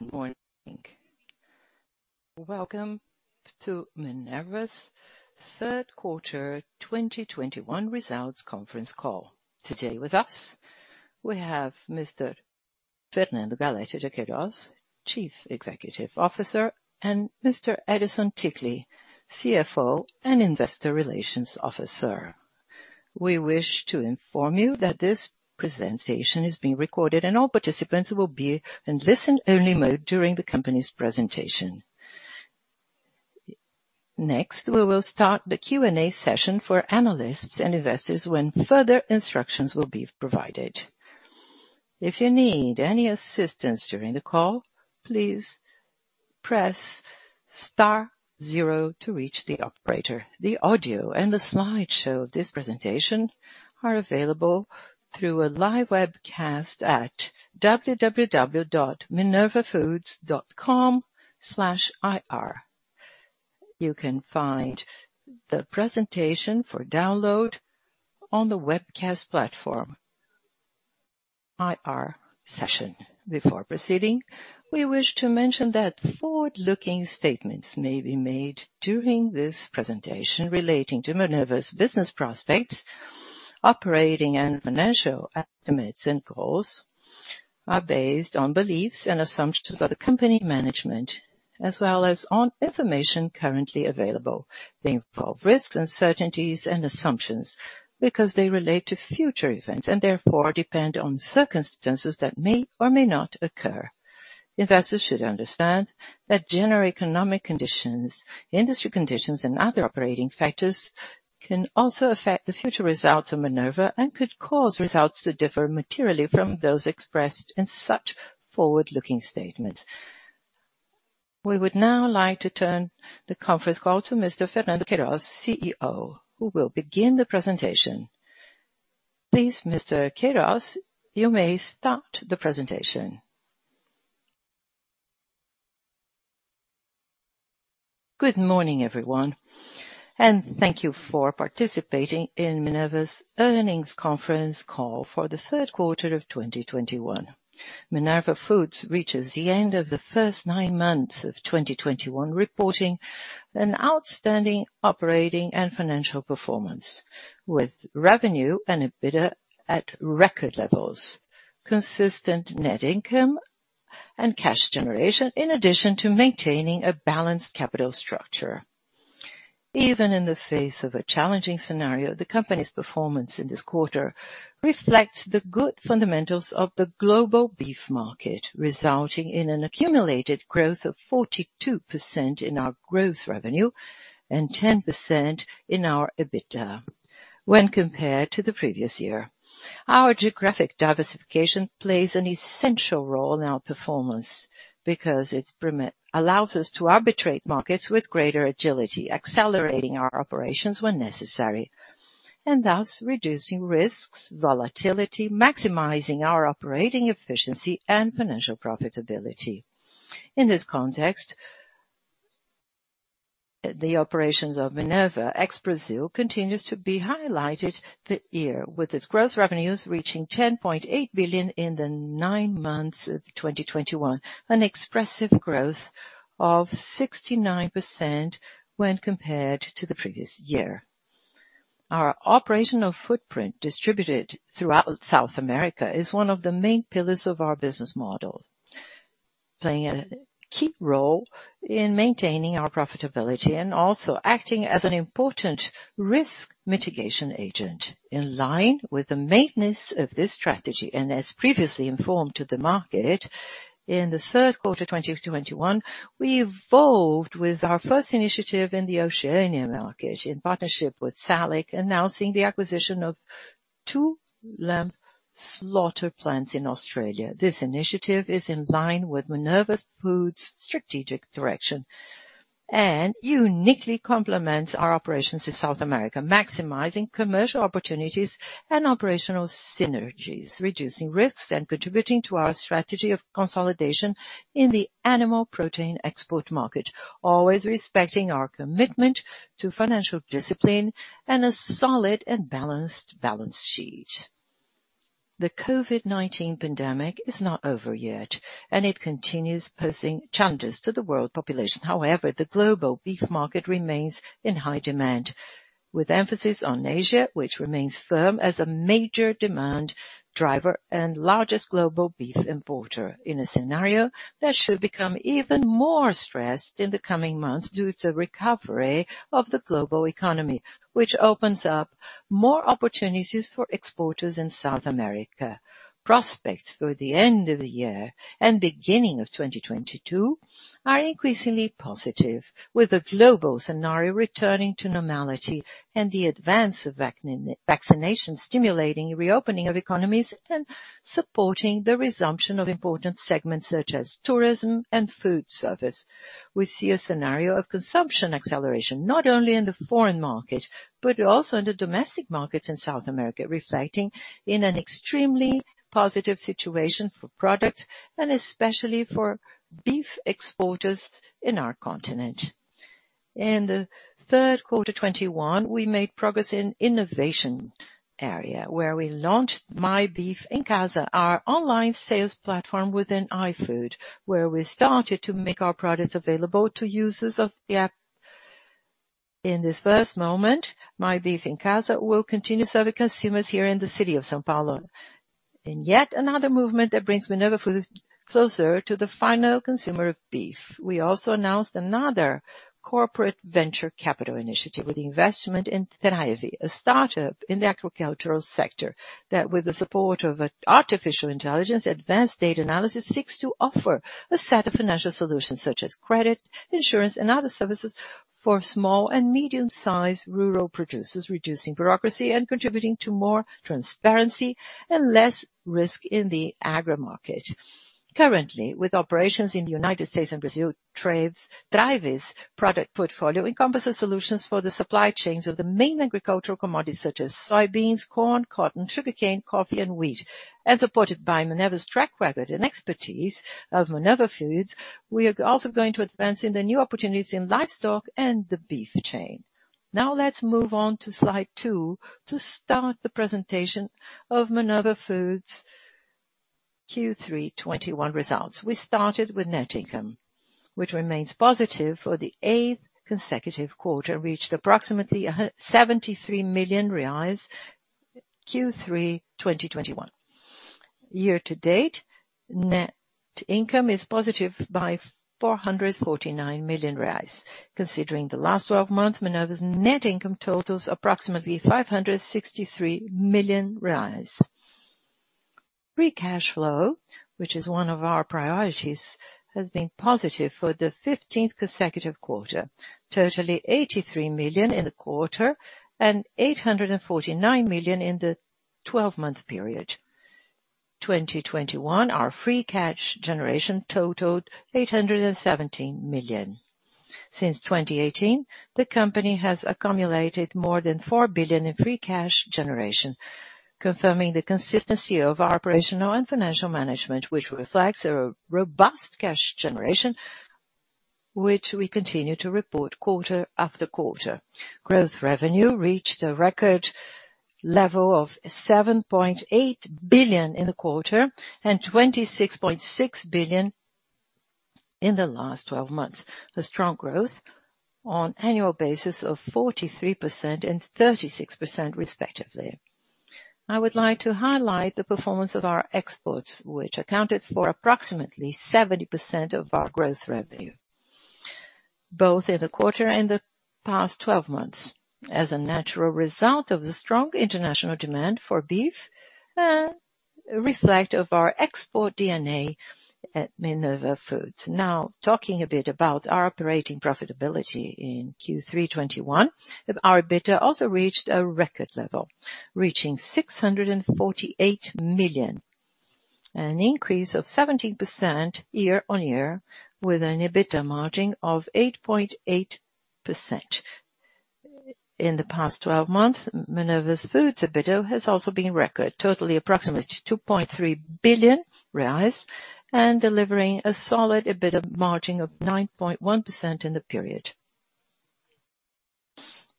Good morning. Welcome to Minerva's Q3 2021 Results Conference Call. Today with us, we have Mr. Fernando Galletti de Queiroz, Chief Executive Officer, and Mr. Edison Ticle, CFO and Investor Relations Officer. We wish to inform you that this presentation is being recorded and all participants will be in listen only mode during the company's presentation. Next, we will start the Q&A session for analysts and investors when further instructions will be provided. If you need any assistance during the call, please press star zero to reach the operator. The audio and the slideshow of this presentation are available through a live webcast at www.minervafoods.com/ir. You can find the presentation for download on the webcast platform IR session. Before proceeding, we wish to mention that forward-looking statements may be made during this presentation relating to Minerva's business prospects, operating and financial estimates and goals are based on beliefs and assumptions of the company management as well as on information currently available. They involve risks, uncertainties and assumptions because they relate to future events and therefore depend on circumstances that may or may not occur. Investors should understand that general economic conditions, industry conditions and other operating factors can also affect the future results of Minerva and could cause results to differ materially from those expressed in such forward-looking statements. We would now like to turn the conference call to Mr. Fernando Queiroz, CEO, who will begin the presentation. Please, Mr. Queiroz, you may start the presentation. Good morning, everyone, and thank you for participating in Minerva's Earnings Conference Call For The Third Quarter of 2021. Minerva Foods reaches the end of the first nine months of 2021, reporting an outstanding operating and financial performance with revenue and EBITDA at record levels, consistent net income and cash generation, in addition to maintaining a balanced capital structure. Even in the face of a challenging scenario, the company's performance in this quarter reflects the good fundamentals of the global beef market, resulting in an accumulated growth of 42% in our gross revenue and 10% in our EBITDA when compared to the previous year. Our geographic diversification plays an essential role in our performance because it allows us to arbitrate markets with greater agility, accelerating our operations when necessary, and thus reducing risks, volatility, maximizing our operating efficiency and financial profitability. In this context, the operations of Minerva ex-Brazil continues to be highlighted the year with its gross revenues reaching 10.8 billion in the nine months of 2021, an expressive growth of 69% when compared to the previous year. Our operational footprint distributed throughout South America is one of the main pillars of our business model, playing a key role in maintaining our profitability and also acting as an important risk mitigation agent. In line with the maintenance of this strategy, and as previously informed to the market, in the third quarter of 2021, we evolved with our first initiative in the Oceania market in partnership with SALIC, announcing the acquisition of two lamb slaughter plants in Australia. This initiative is in line with Minerva Foods strategic direction and uniquely complements our operations in South America, maximizing commercial opportunities and operational synergies, reducing risks and contributing to our strategy of consolidation in the animal protein export market, always respecting our commitment to financial discipline and a solid and balanced balance sheet. The COVID-19 pandemic is not over yet and it continues posing challenges to the world population. However, the global beef market remains in high demand, with emphasis on Asia, which remains firm as a major demand driver and largest global beef importer. In a scenario that should become even more stressed in the coming months due to recovery of the global economy, which opens up more opportunities for exporters in South America. Prospects for the end of the year and beginning of 2022 are increasingly positive, with the global scenario returning to normality and the advance of vaccination stimulating reopening of economies and supporting the resumption of important segments such as tourism and food service. We see a scenario of consumption acceleration not only in the foreign market, but also in the domestic markets in South America, reflecting an extremely positive situation for products and especially for beef exporters in our continent. In the third quarter 2021, we made progress in innovation area where we launched My Beef em Casa, our online sales platform within iFood, where we started to make our products available to users of the app. In this first moment, My Beef em Casa will continue to serve the consumers here in the city of São Paulo. Yet another movement that brings Minerva Foods closer to the final consumer of beef. We also announced another corporate venture capital initiative with the investment in Traive, a startup in the agricultural sector that with the support of artificial intelligence, advanced data analysis, seeks to offer a set of financial solutions such as credit, insurance and other services for small and medium-sized rural producers, reducing bureaucracy and contributing to more transparency and less risk in the agri market. Currently, with operations in the United States and Brazil, Traive's product portfolio encompasses solutions for the supply chains of the main agricultural commodities such as soybeans, corn, cotton, sugarcane, coffee and wheat. As supported by Minerva's track record and expertise of Minerva Foods, we are also going to advance in the new opportunities in Livestock and the Beef chain. Now let's move on to slide two to start the presentation of Minerva Foods' Q3 2021 results. We started with net income, which remains positive for the eighth consecutive quarter, reached approximately 73 million reais in Q3 2021. Year-to-date, net income is positive by 449 million reais. Considering the last 12 months, Minerva's net income totals approximately 563 million reais. Free cash flow, which is one of our priorities, has been positive for the 15th consecutive quarter, totaling 83 million in the quarter and 849 million in the 12 months period. 2021, our free cash generation totaled 817 million. Since 2018, the company has accumulated more than 4 billion in free cash generation, confirming the consistency of our operational and financial management, which reflects a robust cash generation, which we continue to report quarter-after-quarter. Gross revenue reached a record level of 7.8 billion in the quarter and 26.6 billion in the last 12 months, a strong growth on an annual basis of 43% and 36% respectively. I would like to highlight the performance of our exports, which accounted for approximately 70% of our gross revenue, both in the quarter and the past 12 months, as a natural result of the strong international demand for beef and reflection of our export DNA at Minerva Foods. Now talking a bit about our operating profitability in Q3 2021. Our EBITDA also reached a record level, reaching 648 million, an increase of 70% year-over-year with an EBITDA margin of 8.8%. In the past 12 months, Minerva Foods' EBITDA has also been record, totaling approximately 2.3 billion reais and delivering a solid EBITDA margin of 9.1% in the period.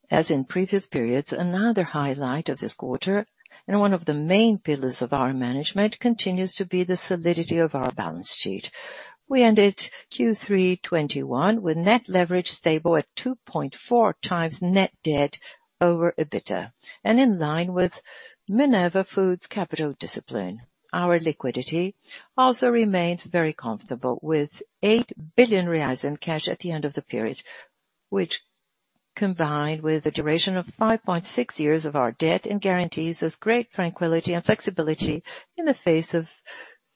In previous periods, another highlight of this quarter and one of the main pillars of our management continues to be the solidity of our balance sheet. We ended Q3 2021 with net leverage stable at 2.4x net debt over EBITDA and in line with Minerva Foods' capital discipline. Our liquidity also remains very comfortable with 8 billion reais in cash at the end of the period, which combined with the duration of 5.6 years of our debt and guarantees us great tranquility and flexibility in the face of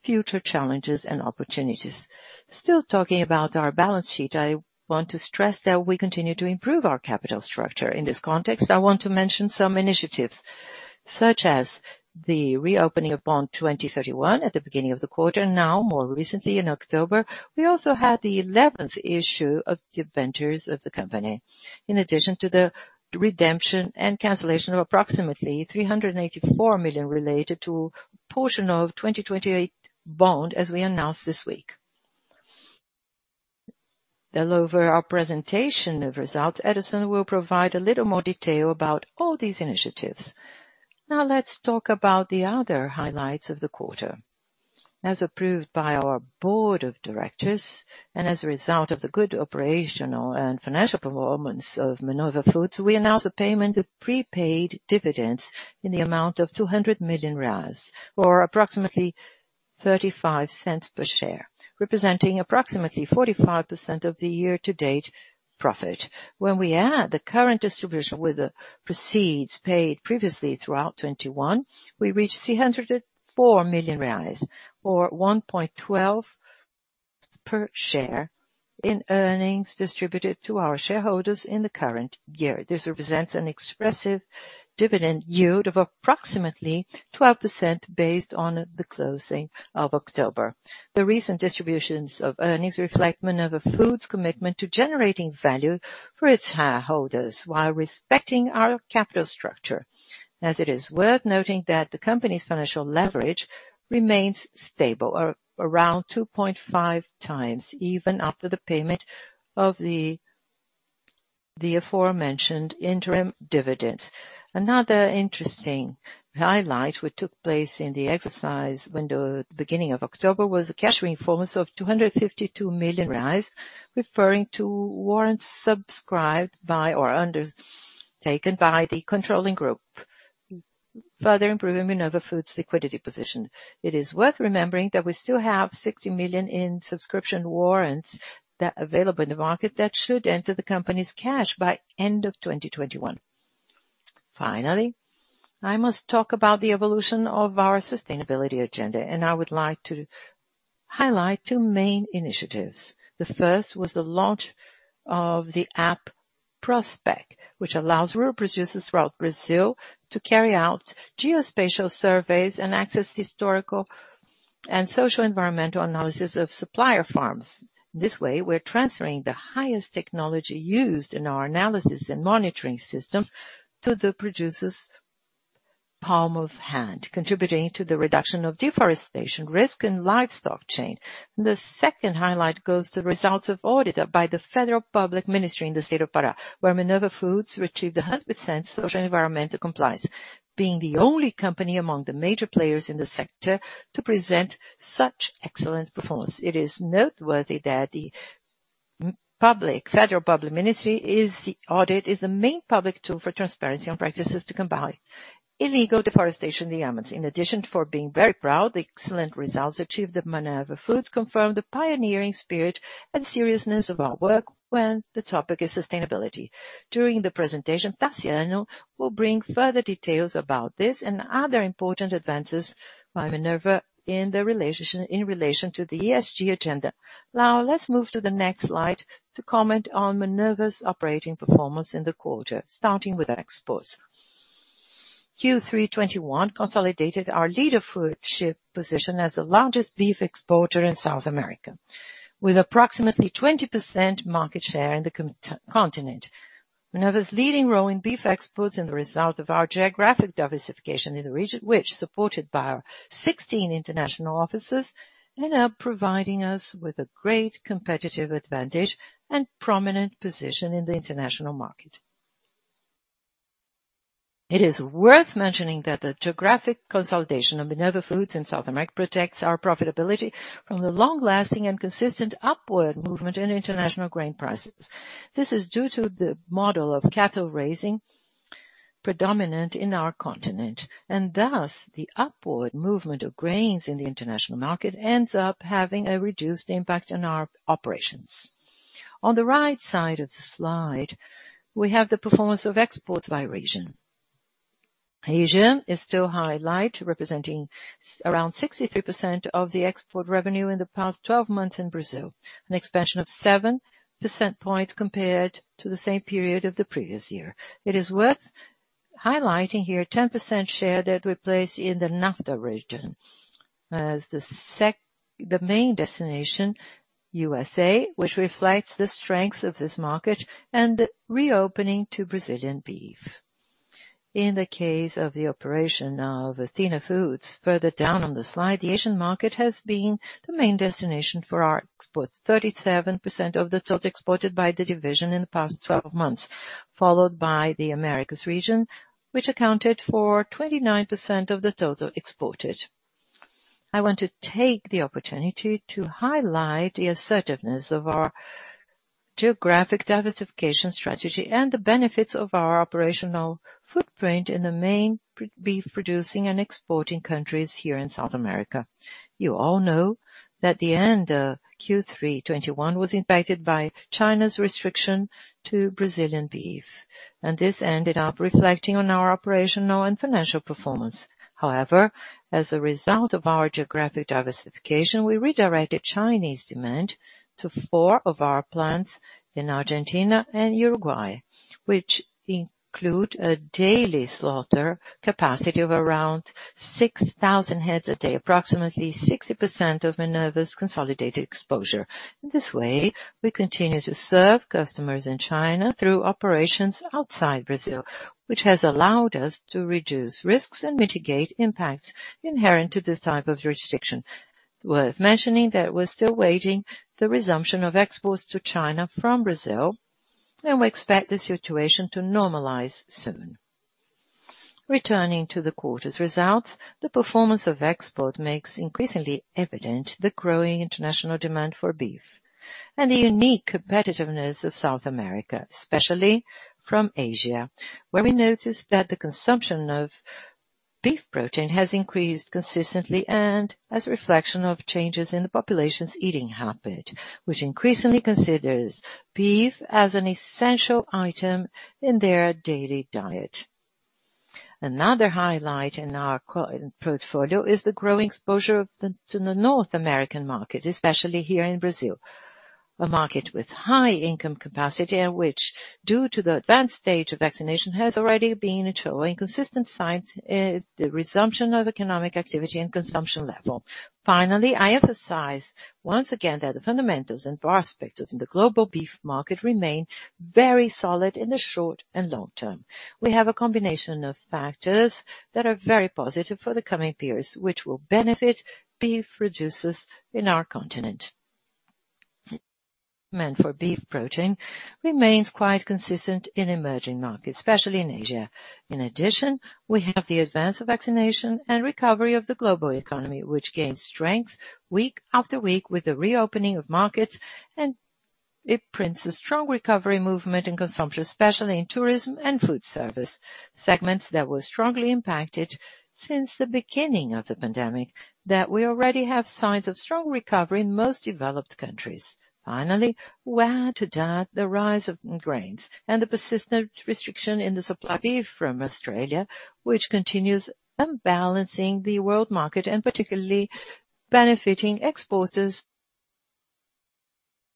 future challenges and opportunities. Still talking about our balance sheet, I want to stress that we continue to improve our capital structure. In this context, I want to mention some initiatives, such as the reopening of Bond 2031 at the beginning of the quarter. Now, more recently in October, we also had the 11th issue of the debentures of the company. In addition to the redemption and cancellation of approximately 384 million related to portion of 2028 Bond, as we announced this week. Over our presentation of results, Edison will provide a little more detail about all these initiatives. Now let's talk about the other highlights of the quarter. As approved by our Board of Directors and as a result of the good operational and financial performance of Minerva Foods, we announced the payment of prepaid dividends in the amount of 200 million reais or approximately 0.35 per share, representing approximately 45% of the year-to-date profit. When we add the current distribution with the proceeds paid previously throughout 2021, we reached 304 million reais or 1.12 per share in earnings distributed to our shareholders in the current year. This represents an expressive dividend yield of approximately 12% based on the closing of October. The recent distributions of earnings reflect Minerva Foods' commitment to generating value for its shareholders while respecting our capital structure, as it is worth noting that the company's financial leverage remains stable or around 2.5x even after the payment of the aforementioned interim dividends. Another interesting highlight which took place in the quarter when the beginning of October was a cash refinance of 252 million, referring to warrants subscribed by or undertaken by the controlling group, further improving Minerva Foods' liquidity position. It is worth remembering that we still have 60 million in subscription warrants available in the market that should enter the company's cash by end of 2021. Finally, I must talk about the evolution of our sustainability agenda, and I would like to highlight two main initiatives. The first was the launch of the app Prospec, which allows rural producers throughout Brazil to carry out geospatial surveys and access historical and social environmental analysis of supplier farms. This way, we're transferring the highest technology used in our analysis and monitoring systems to the producer's palm of hand, contributing to the reduction of deforestation risk and Livestock chain. The second highlight goes to the results of audit by the Federal Public Ministry in the state of Pará, where Minerva Foods achieved 100% social environmental compliance, being the only company among the major players in the sector to present such excellent performance. It is noteworthy that the Federal Public Ministry is the main public tool for transparency on practices to combat illegal deforestation in the Amazon. In addition, we are very proud of the excellent results achieved that confirm the pioneering spirit and seriousness of our work when the topic is sustainability. During the presentation, Taciano will bring further details about this and other important advances by Minerva in relation to the ESG agenda. Now let's move to the next slide to comment on Minerva's operating performance in the quarter, starting with exports. Q3 2021 consolidated our leadership position as the largest beef exporter in South America, with approximately 20% market share in the continent. Minerva's leading role in beef exports is the result of our geographic diversification in the region, which, supported by our 16 international offices, end up providing us with a great competitive advantage and prominent position in the international market. It is worth mentioning that the geographic consolidation of Minerva Foods in South America protects our profitability from the long-lasting and consistent upward movement in international grain prices. This is due to the model of cattle raising predominant in our continent, and thus the upward movement of grains in the international market ends up having a reduced impact on our operations. On the right side of the slide, we have the performance of exports by region. Asia is still the highlight, representing around 63% of the export revenue in the past 12 months in Brazil, an expansion of 7 percentage points compared to the same period of the previous year. It is worth highlighting here a 10% share that we place in the NAFTA region as the main destination, USA, which reflects the strength of this market and the reopening to Brazilian beef. In the case of the operation of Athena Foods, further down on the slide, the Asian market has been the main destination for our exports, 37% of the total exported by the division in the past 12 months, followed by the Americas region, which accounted for 29% of the total exported. I want to take the opportunity to highlight the assertiveness of our geographic diversification strategy and the benefits of our operational footprint in the main beef producing and exporting countries here in South America. You all know that the end of Q3 2021 was impacted by China's restriction to Brazilian beef, and this ended up reflecting on our operational and financial performance. However, as a result of our geographic diversification, we redirected Chinese demand to four of our plants in Argentina and Uruguay, which include a daily slaughter capacity of around 6,000 heads a day, approximately 60% of Minerva's consolidated exposure. In this way, we continue to serve customers in China through operations outside Brazil, which has allowed us to reduce risks and mitigate impacts inherent to this type of jurisdiction. It's worth mentioning that we're still awaiting the resumption of exports to China from Brazil, and we expect the situation to normalize soon. Returning to the quarter's results, the performance of exports makes increasingly evident the growing international demand for beef and the unique competitiveness of South America, especially from Asia, where we noticed that the consumption of beef protein has increased consistently and as a reflection of changes in the population's eating habit, which increasingly considers beef as an essential item in their daily diet. Another highlight in our portfolio is the growing exposure to the North American market, especially here in Brazil. A market with high income capacity and which, due to the advanced stage of vaccination, has already been showing consistent signs in the resumption of economic activity and consumption level. Finally, I emphasize once again that the fundamentals and prospects in the global beef market remain very solid in the short and long term. We have a combination of factors that are very positive for the coming periods, which will benefit beef producers in our continent. Demand for beef protein remains quite consistent in emerging markets, especially in Asia. In addition, we have the advance of vaccination and recovery of the global economy, which gains strength week-after-week with the reopening of markets, and it brings a strong recovery movement in consumption, especially in Tourism and Food Service segments that were strongly impacted since the beginning of the pandemic and we already have signs of strong recovery in most developed countries. Finally, with the rise of grains and the persistent restriction in the supply of beef from Australia, which continues unbalancing the world market and particularly benefiting exporters.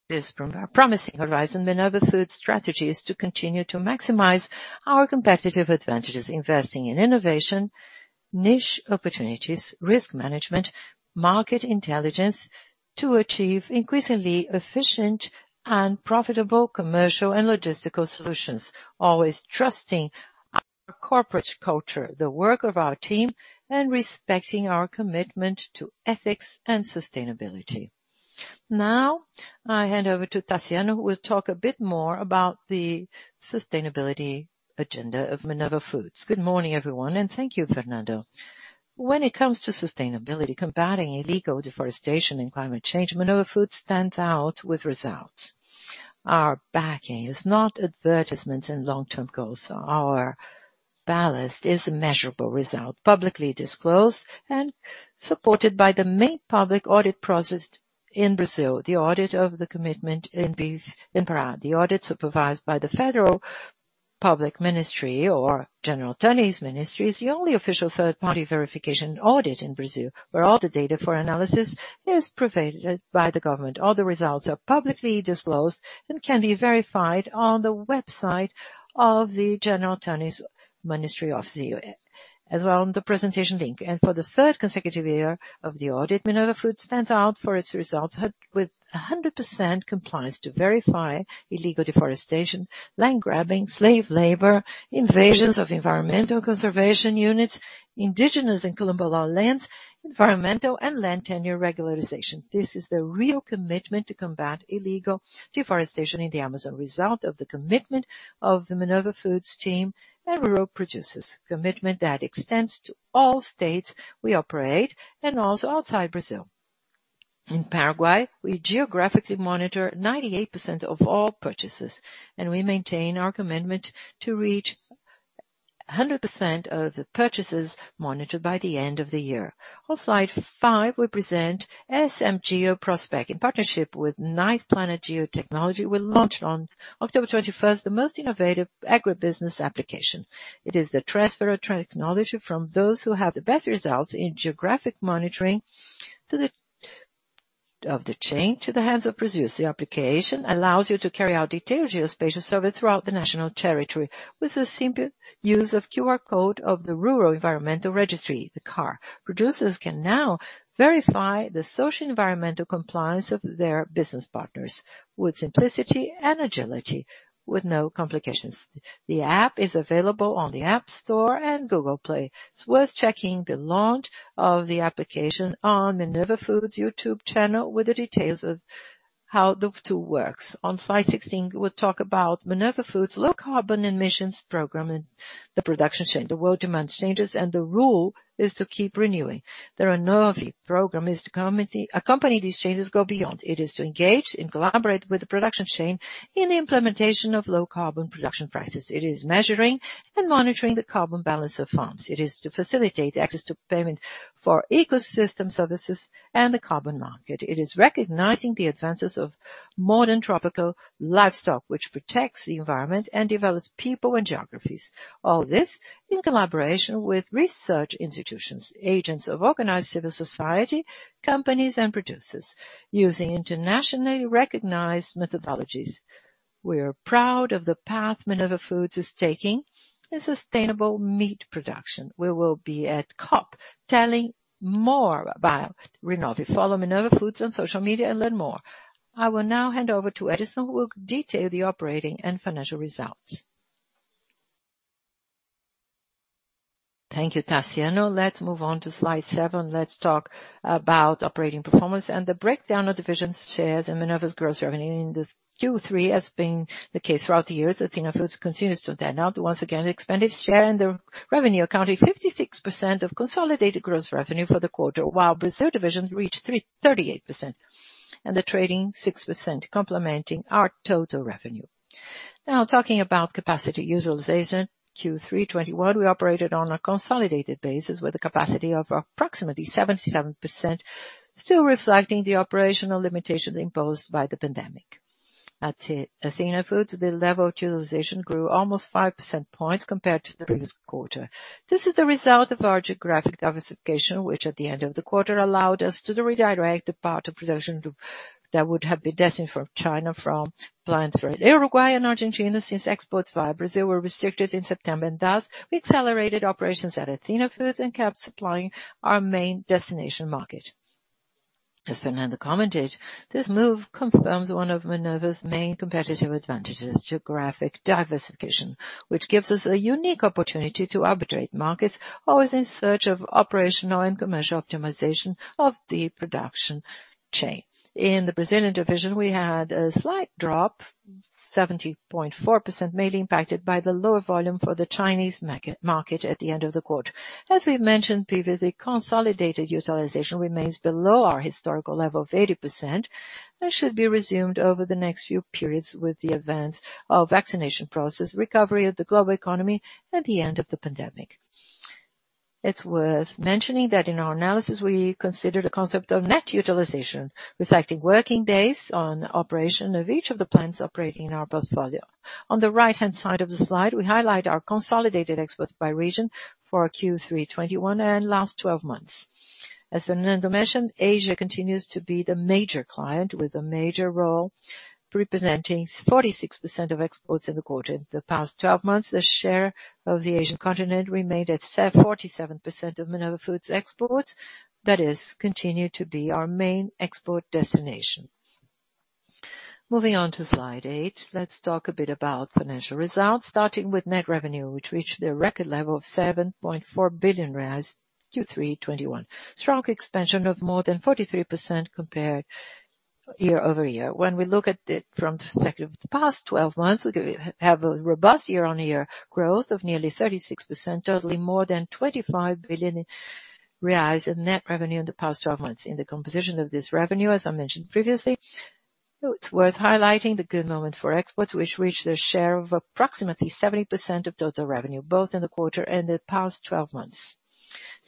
This from a promising horizon, Minerva Foods' strategy is to continue to maximize our competitive advantages, investing in innovation, niche opportunities, risk management, market intelligence to achieve increasingly efficient and profitable commercial and logistical solutions, always trusting our corporate culture, the work of our team, and respecting our commitment to ethics and sustainability. Now, I hand over to Taciano, who will talk a bit more about the sustainability agenda of Minerva Foods. Good morning, everyone, and thank you, Fernando. When it comes to sustainability, combating illegal deforestation and climate change, Minerva Foods stands out with results. Our backing is not advertisements and long-term goals. Our balance is a measurable result, publicly disclosed and supported by the main public audit process in Brazil. The audit of the commitment in Beef in Pará, the audits supervised by the Federal Public Ministry or General Attorney's Ministry, the only official third party verification audit in Brazil, where all the data for analysis is provided by the government. All the results are publicly disclosed and can be verified on the website of the General Attorney's Ministry, as well as the presentation link. For the third consecutive year of the audit, Minerva Foods stands out for its results with 100% compliance to verify illegal deforestation, land grabbing, slave labor, invasions of environmental conservation units, indigenous and quilombola lands, environmental and land tenure regularization. This is the real commitment to combat illegal deforestation in the Amazon, result of the commitment of the Minerva Foods team and rural producers, a commitment that extends to all state we operate and also outside Brazil. In Paraguay, we geographically monitor 98% of all purchases, and we maintain our commitment to reach 100% of the purchases monitored by the end of the year. On slide five, we present SMGeo Prospec. In partnership with Niceplanet Geotecnologia, we launched on October 21st, the most innovative agribusiness application. It is the transfer of technology from those who have the best results in geographic monitoring of the chain to the hands of producers. The application allows you to carry out detailed geospatial service throughout the national territory with the simple use of QR code of the Rural Environmental Registry. Producers can now verify the social environmental compliance of their business partners with simplicity and agility, with no complications. The app is available on the App Store and Google Play. It is worth checking the launch of the application on Minerva Foods YouTube channel with the details of how the tool works. On slide 16, we will talk about Minerva Foods low carbon emissions program in the production change. The world demand changes and the rule is to keep renewing. The Renove program accompany this changes and goes beyond. It is to engage and collaborate with the production chain in the implementation of low carbon production practices. It is measuring and monitoring the carbon balance of farms. It is to facilitate the access to payment for ecosystem services and the carbon market. It is recognizing the advances of modern tropical livestock, which protects the environment and develops people and geographies. All this in collaboration with research institutions, agents of organized civil society, companies and producers, using internationally recognized methodologies. We are proud of the path Minerva Foods is taking in sustainable meat production. We will be at COP telling more about Renove. Follow Minerva Foods on social media and learn more. I will now hand over to Edison, who will detail the operating and financial results Thank you, Taciano. Let us move on to slide seven to talk about operating performance and the breakdown of divisions’ shares and Minerva’s gross revenue. In 3Q, as has been the case throughout the year, Athena Foods continues to stand out. Once again, it expanded share in the revenue account, 56% of consolidated gross revenue for the quarter, while Brazil Division reached 38%, and the Trading, 6%, complementing our total revenue. Now talking about capacity utilization, in 3Q 2021, we operated on a consolidated basis with a capacity of approximately 77%, still reflecting the operational limitations imposed by the pandemic. At Athena Foods, the level of utilization grew almost 5 percentage points. compared to the previous quarter. This is the result of our geographic diversification, which at the end of the quarter allowed us to redirect the part of production that would have been destined for China from plants from Uruguay and Argentina since exports via Brazil were restricted in September, and thus we accelerated operations at Athena Foods and kept supply our main destination market. As Fernando commented, this move confirms one of Minerva's main competitive advantages, geographic diversification, which gives us a unique opportunity to arbitrate markets, always in search of operational and commercial optimization of the production chain. In the Brazilian division, we had a slight drop, 17.4%, mainly impacted by the lower volume for the Chinese market at the end of the quarter. As we mentioned previously, consolidated utilization remains below our historical level of 80% and should be resumed over the next few periods with the event of vaccination process, recovery of the global economy at the end of the pandemic. It's worth mentioning that in our analysis, we considered a concept of net utilization, reflecting working days on operation of each of the plants operating in our portfolio. On the right-hand side of the slide, we highlight our consolidated exports by region for Q3 2021 and last 12 months. As Fernando mentioned, Asia continues to be the major client with a major role, representing 46% of exports in the quarter. The past 12 months, the share of the Asian continent remained at 47% of Minerva Foods exports. That is, continue to be our main export destination. Moving on to slide eight. Let's talk a bit about financial results, starting with net revenue, which reached a record level of BRL 7.4 billion, Q3 2021. Strong expansion of more than 43% compared year-over-year. When we look at it from the perspective of the past 12 months, we could have a robust year-on-year growth of nearly 36%, totaling more than 25 billion reais in net revenue in the past 12 months. In the composition of this revenue, as I mentioned previously, it's worth highlighting the good moment for exports, which reached a share of approximately 70% of total revenue, both in the quarter and the past 12 months.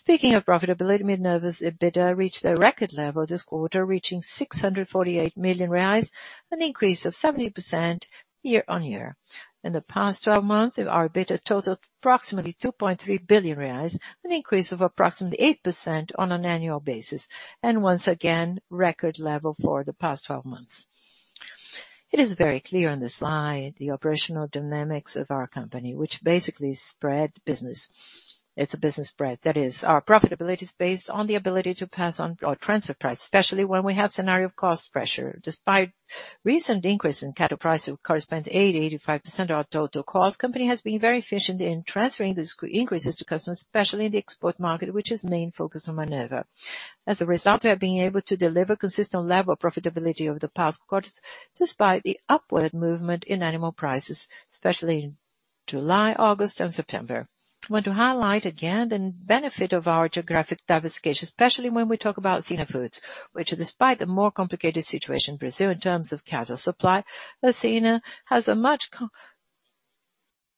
Speaking of profitability, Minerva's EBITDA reached a record level this quarter, reaching 648 million reais, an increase of 70% year-on-year. In the past 12 months, our EBITDA totaled approximately 2.3 billion reais, an increase of approximately 8% on an annual basis, and once again, record level for the past 12 months. It is very clear on this slide the operational dynamics of our company, which basically spread business. It's a business spread. That is, our profitability is based on the ability to pass on or transfer price, especially when we have scenario of cost pressure. Despite recent increase in cattle price which corresponds to 80%-85% of our total cost, company has been very efficient in transferring these increases to customers, especially in the export market, which is main focus on Minerva. As a result, we have been able to deliver consistent level of profitability over the past quarters despite the upward movement in animal prices, especially in July, August and September. I want to highlight again the benefit of our geographic diversification, especially when we talk about Athena Foods, which despite the more complicated situation in Brazil in terms of cattle supply, Athena has a much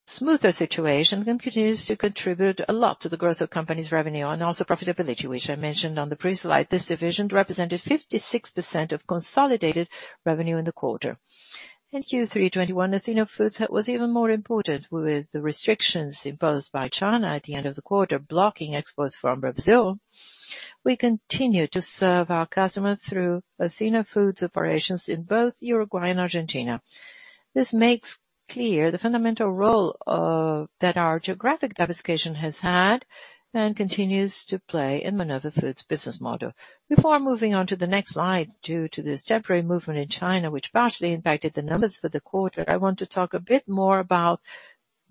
smoother situation and continues to contribute a lot to the growth of company's revenue and also profitability, which I mentioned on the previous slide. This division represented 56% of consolidated revenue in the quarter. In Q3 2021, Athena Foods was even more important with the restrictions imposed by China at the end of the quarter, blocking exports from Brazil. We continue to serve our customers through Athena Foods operations in both Uruguay and Argentina. This makes clear the fundamental role that our geographic diversification has had and continues to play in Minerva Foods business model. Before moving on to the next slide, due to this temporary movement in China, which partially impacted the numbers for the quarter, I want to talk a bit more about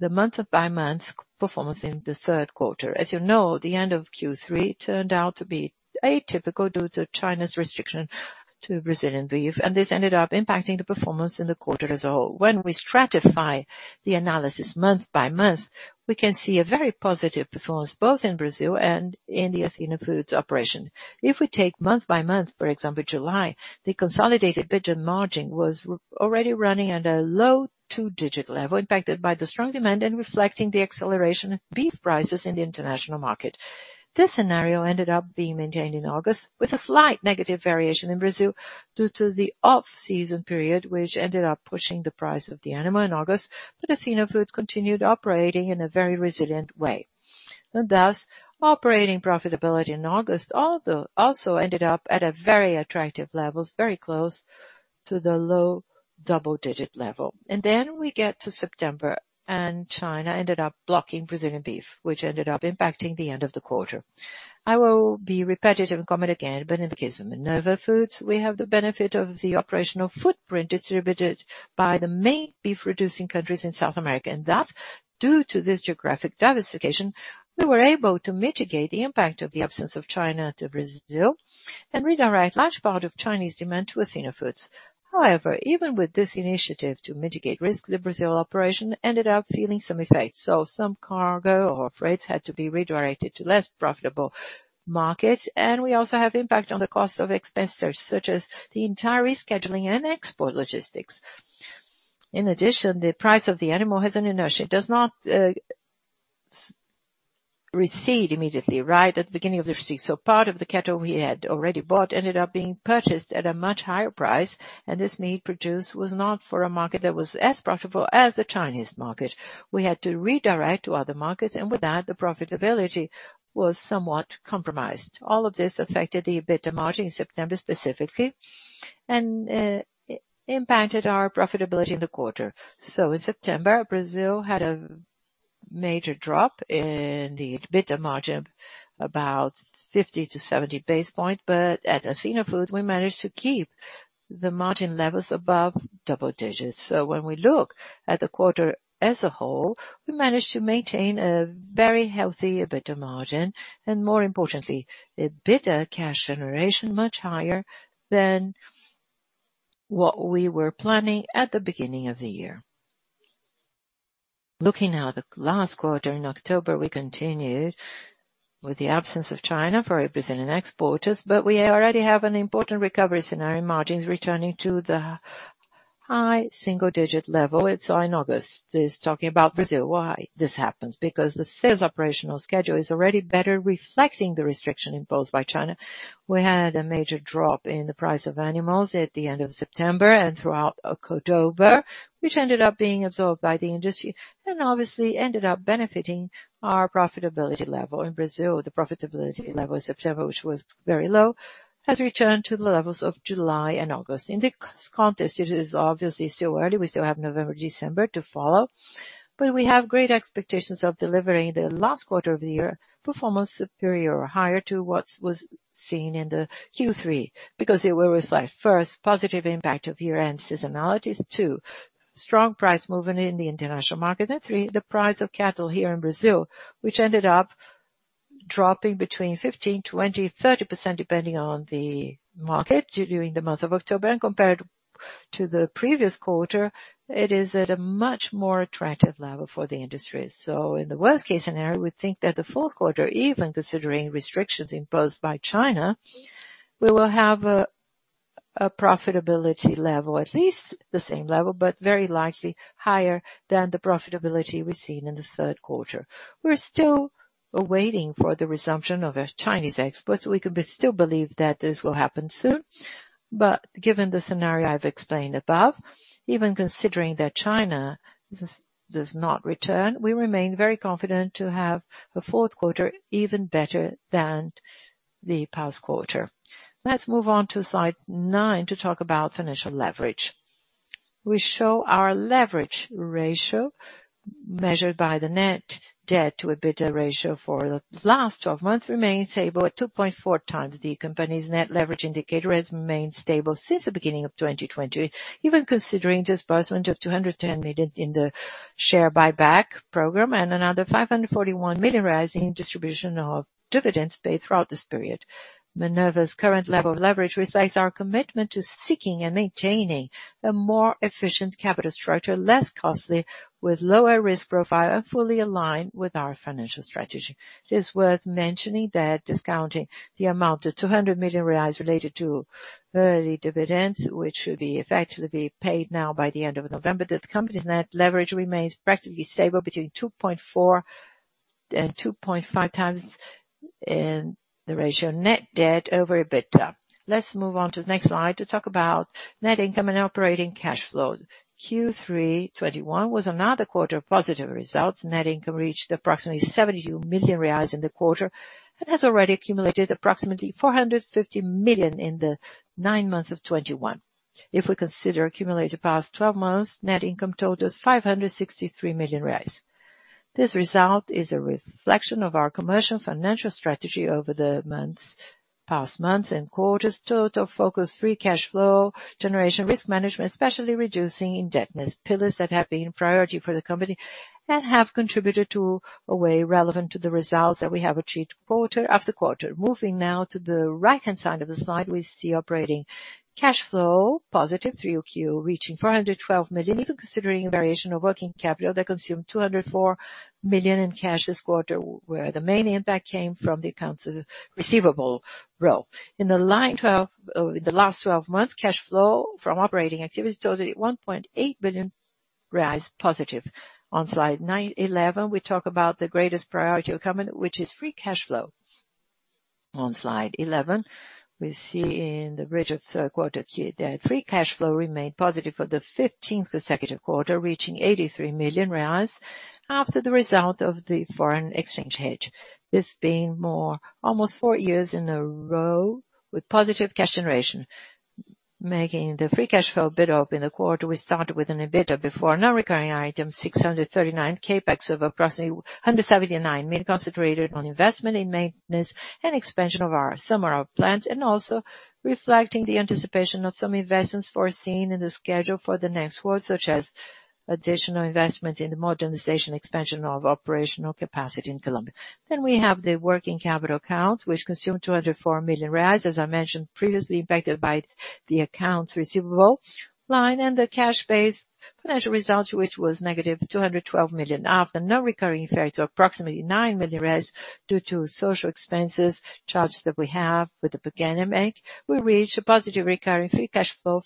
the month-by-month performance in the third quarter. As you know, the end of Q3 turned out to be atypical due to China's restriction to Brazilian beef, and this ended up impacting the performance in the quarter as a whole. When we stratify the analysis month-by-month, we can see a very positive performance both in Brazil and in the Athena Foods operation. If we take month-by-month, for example, July, the consolidated EBITDA margin was already running at a low two-digit level, impacted by the strong demand and reflecting the acceleration of beef prices in the international market. This scenario ended up being maintained in August with a slight negative variation in Brazil due to the off-season period, which ended up pushing the price of the animal in August. Athena Foods continued operating in a very resilient way. Thus, operating profitability in August, although, also ended up at a very attractive levels, very close to the low double-digit level. Then we get to September and China ended up blocking Brazilian beef, which ended up impacting the end of the quarter. I will be repetitive and comment again, but in the case of Minerva Foods, we have the benefit of the operational footprint distributed by the main beef producing countries in South America, and thus, due to this geographic diversification, we were able to mitigate the impact of the absence of China to Brazil and redirect large part of Chinese demand to Athena Foods. However, even with this initiative to mitigate risk, the Brazil operation ended up feeling some effects. Some cargo or freights had to be redirected to less profitable markets, and we also have impact on the cost of expenses such as the entire rescheduling and export logistics. In addition, the price of the animal has an inertia. It does not recede immediately, right at the beginning of the recession. Part of the cattle we had already bought ended up being purchased at a much higher price, and this meat produced was not for a market that was as profitable as the Chinese market. We had to redirect to other markets, and with that, the profitability was somewhat compromised. All of this affected the EBITDA margin in September specifically, and impacted our profitability in the quarter. In September, Brazil had a major drop in the EBITDA margin, about 50-70 basis points. At Athena Foods, we managed to keep the margin levels above double digits. When we look at the quarter as a whole, we managed to maintain a very healthy EBITDA margin and more importantly, EBITDA cash generation much higher than what we were planning at the beginning of the year. Looking at the last quarter in October, we continued with the absence of China for Brazilian exporters, but we already have an important recovery scenario, margins returning to the high single-digit level it's in August. This talking about Brazil. Why this happens? Because the sales operational schedule is already better reflecting the restriction imposed by China. We had a major drop in the price of animals at the end of September and throughout October, which ended up being absorbed by the industry and obviously ended up benefiting our profitability level. In Brazil, the profitability level in September, which was very low, has returned to the levels of July and August. In this context, it is obviously still early. We still have November, December to follow, but we have great expectations of delivering the last quarter of the year performance superior or higher to what was seen in the Q3. Because it will reflect, first, positive impact of year-end seasonalities. Two, strong price movement in the international market. Three, the price of cattle here in Brazil, which ended up dropping between 15%, 20%, 30% depending on the market during the month of October. Compared to the previous quarter, it is at a much more attractive level for the industry. In the worst case scenario, we think that the fourth quarter, even considering restrictions imposed by China, we will have a profitability level, at least the same level, but very likely higher than the profitability we've seen in the third quarter. We're still waiting for the resumption of Chinese exports. We could still believe that this will happen soon, but given the scenario I've explained above, even considering that China does not return, we remain very confident to have a fourth quarter even better than the past quarter. Let's move on to slide nine to talk about financial leverage. We show our leverage ratio measured by the net debt to EBITDA ratio for the last 12 months remains stable at 2.4x. The company's net leverage indicator has remained stable since the beginning of 2020. Even considering disbursement of 210 million in the share buyback program and another 541 million rise in distribution of dividends paid throughout this period. Minerva's current level of leverage reflects our commitment to seeking and maintaining a more efficient capital structure, less costly, with lower risk profile, and fully aligned with our financial strategy. It is worth mentioning that discounting the amount of 200 million reais related to early dividends, which will be effectively paid now by the end of November, that the company's net leverage remains practically stable between 2.4x and 2.5x in the ratio net debt over EBITDA. Let's move on to the next slide to talk about net income and operating cash flow. Q3 2021 was another quarter of positive results. Net income reached approximately 72 million reais in the quarter and has already accumulated approximately 450 million in the nine months of 2021. If we consider accumulated past 12 months, net income totals 563 million reais. This result is a reflection of our commercial financial strategy over the months, past months and quarters. Total focus, free cash flow generation, risk management, especially reducing indebtedness, pillars that have been priority for the company and have contributed in a very relevant way to the results that we have achieved quarter-after-quarter. Moving now to the right-hand side of the slide, we see operating cash flow positive 3Q, reaching 412 million. Even considering a variation of working capital that consumed 204 million in cash this quarter, where the main impact came from the accounts receivable row. In line 12, the last 12 months, cash flow from operating activities totaled +1.8 billion. On slides nine to 11, we talk about the greatest priority of company, which is free cash flow. On slide 11, we see in the bridge of third quarter that free cash flow remained positive for the 15th consecutive quarter, reaching 83 million reais after the result of the foreign exchange hedge. This being almost four years in a row with positive cash generation, making the free cash flow a bit up in the quarter. We started with an EBITDA before non-recurring item, 639 million, CapEx of approximately 179 million, concentrated on investment in maintenance and expansion of some of our plants, and also reflecting the anticipation of some investments foreseen in the schedule for the next quarter, such as additional investment in the modernization expansion of operational capacity in Colombia. We have the working capital account, which consumed 204 million reais, as I mentioned previously, impacted by the accounts receivable line and the cash-based financial result, which was -212 million. After non-recurring effect to approximately 9 million due to social expenses charged that we have with the PagBank, we reached a positive recurring free cash flow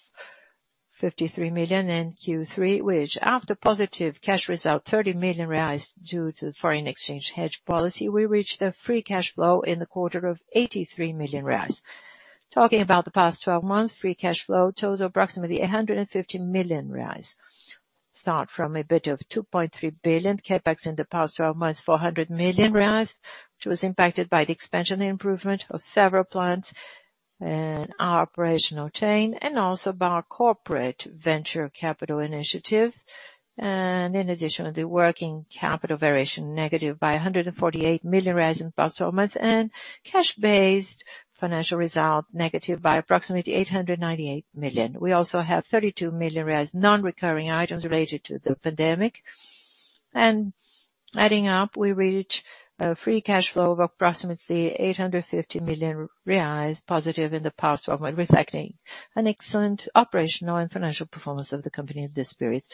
of 53 million in Q3, which after positive cash result, 30 million due to the foreign exchange hedge policy, we reached a free cash flow in the quarter of 83 million reais. Talking about the past 12 months, free cash flow total approximately 850 million reais. Start from a EBITDA of 2.3 billion CapEx in the past 12 months, 400 million reais, which was impacted by the expansion improvement of several plants in our operational chain and also by our corporate venture capital initiative. In addition, the working capital variation negative by 148 million in the past 12 months. Cash-based financial result negative by approximately 898 million. We also have 32 million non-recurring items related to the pandemic. Adding up, we reach a free cash flow of approximately +850 million reais in the past 12 months, reflecting an excellent operational and financial performance of the company in this period.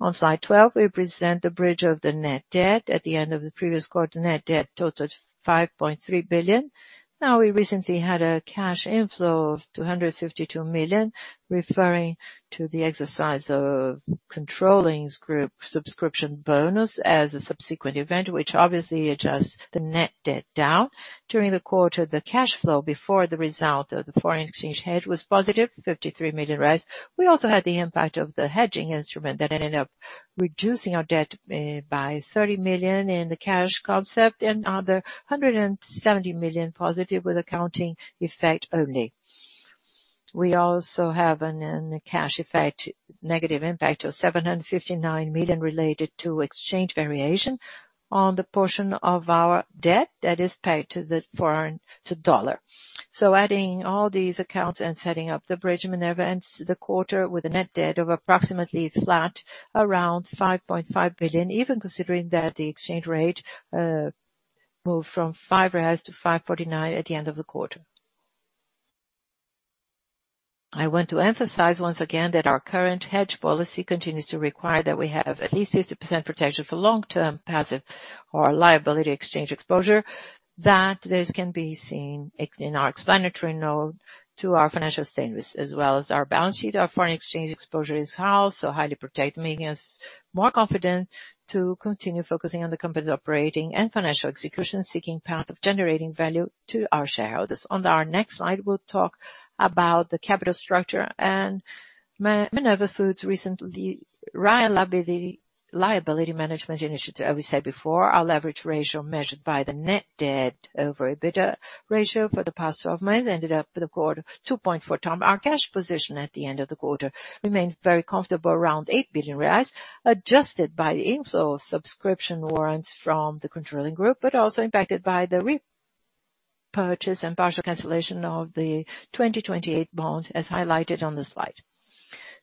On slide 12, we present the bridge of the net debt. At the end of the previous quarter, net debt totaled 5.3 billion. Now we recently had a cash inflow of 252 million, referring to the exercise of controlling group subscription warrants as a subsequent event, which obviously adjusts the net debt down. During the quarter, the cash flow before the result of the foreign exchange hedge was positive 53 million. We also had the impact of the hedging instrument that ended up reducing our debt by 30 million in the cash concept and another +170 million with accounting effect only. We also have a cash effect, negative impact of 759 million related to exchange variation on the portion of our debt that is in dollars. Adding all these accounts and setting up the bridge maneuver ends the quarter with a net debt of approximately 5.5 billion, even considering that the exchange rate moved from 5 billion reais to 5.49 billion at the end of the quarter. I want to emphasize once again that our current hedge policy continues to require that we have at least 50% protection for long-term passive or liability exchange exposure, that this can be seen in our explanatory note to our financial statements as well as our balance sheet. Our foreign exchange exposure is also highly protected, making us more confident to continue focusing on the company's operating and financial execution, seeking path of generating value to our shareholders. On to our next slide, we'll talk about the capital structure. Minerva Foods recently liability management initiative. As we said before, our leverage ratio measured by the net debt over EBITDA ratio for the past 12 months ended up for the quarter 2.4x. Our cash position at the end of the quarter remains very comfortable, around 8 billion reais, adjusted by the inflow of subscription warrants from the controlling group, but also impacted by the repurchase and partial cancellation of the 2028 Bond, as highlighted on the slide.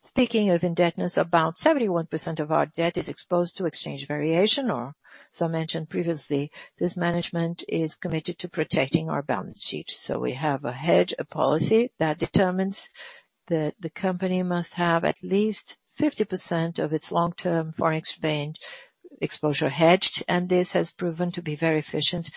Speaking of indebtedness, about 71% of our debt is exposed to exchange variation or, as I mentioned previously, this management is committed to protecting our balance sheet. We have a hedge, a policy that determines that the company must have at least 50% of its long-term foreign exchange exposure hedged. This has proven to be very efficient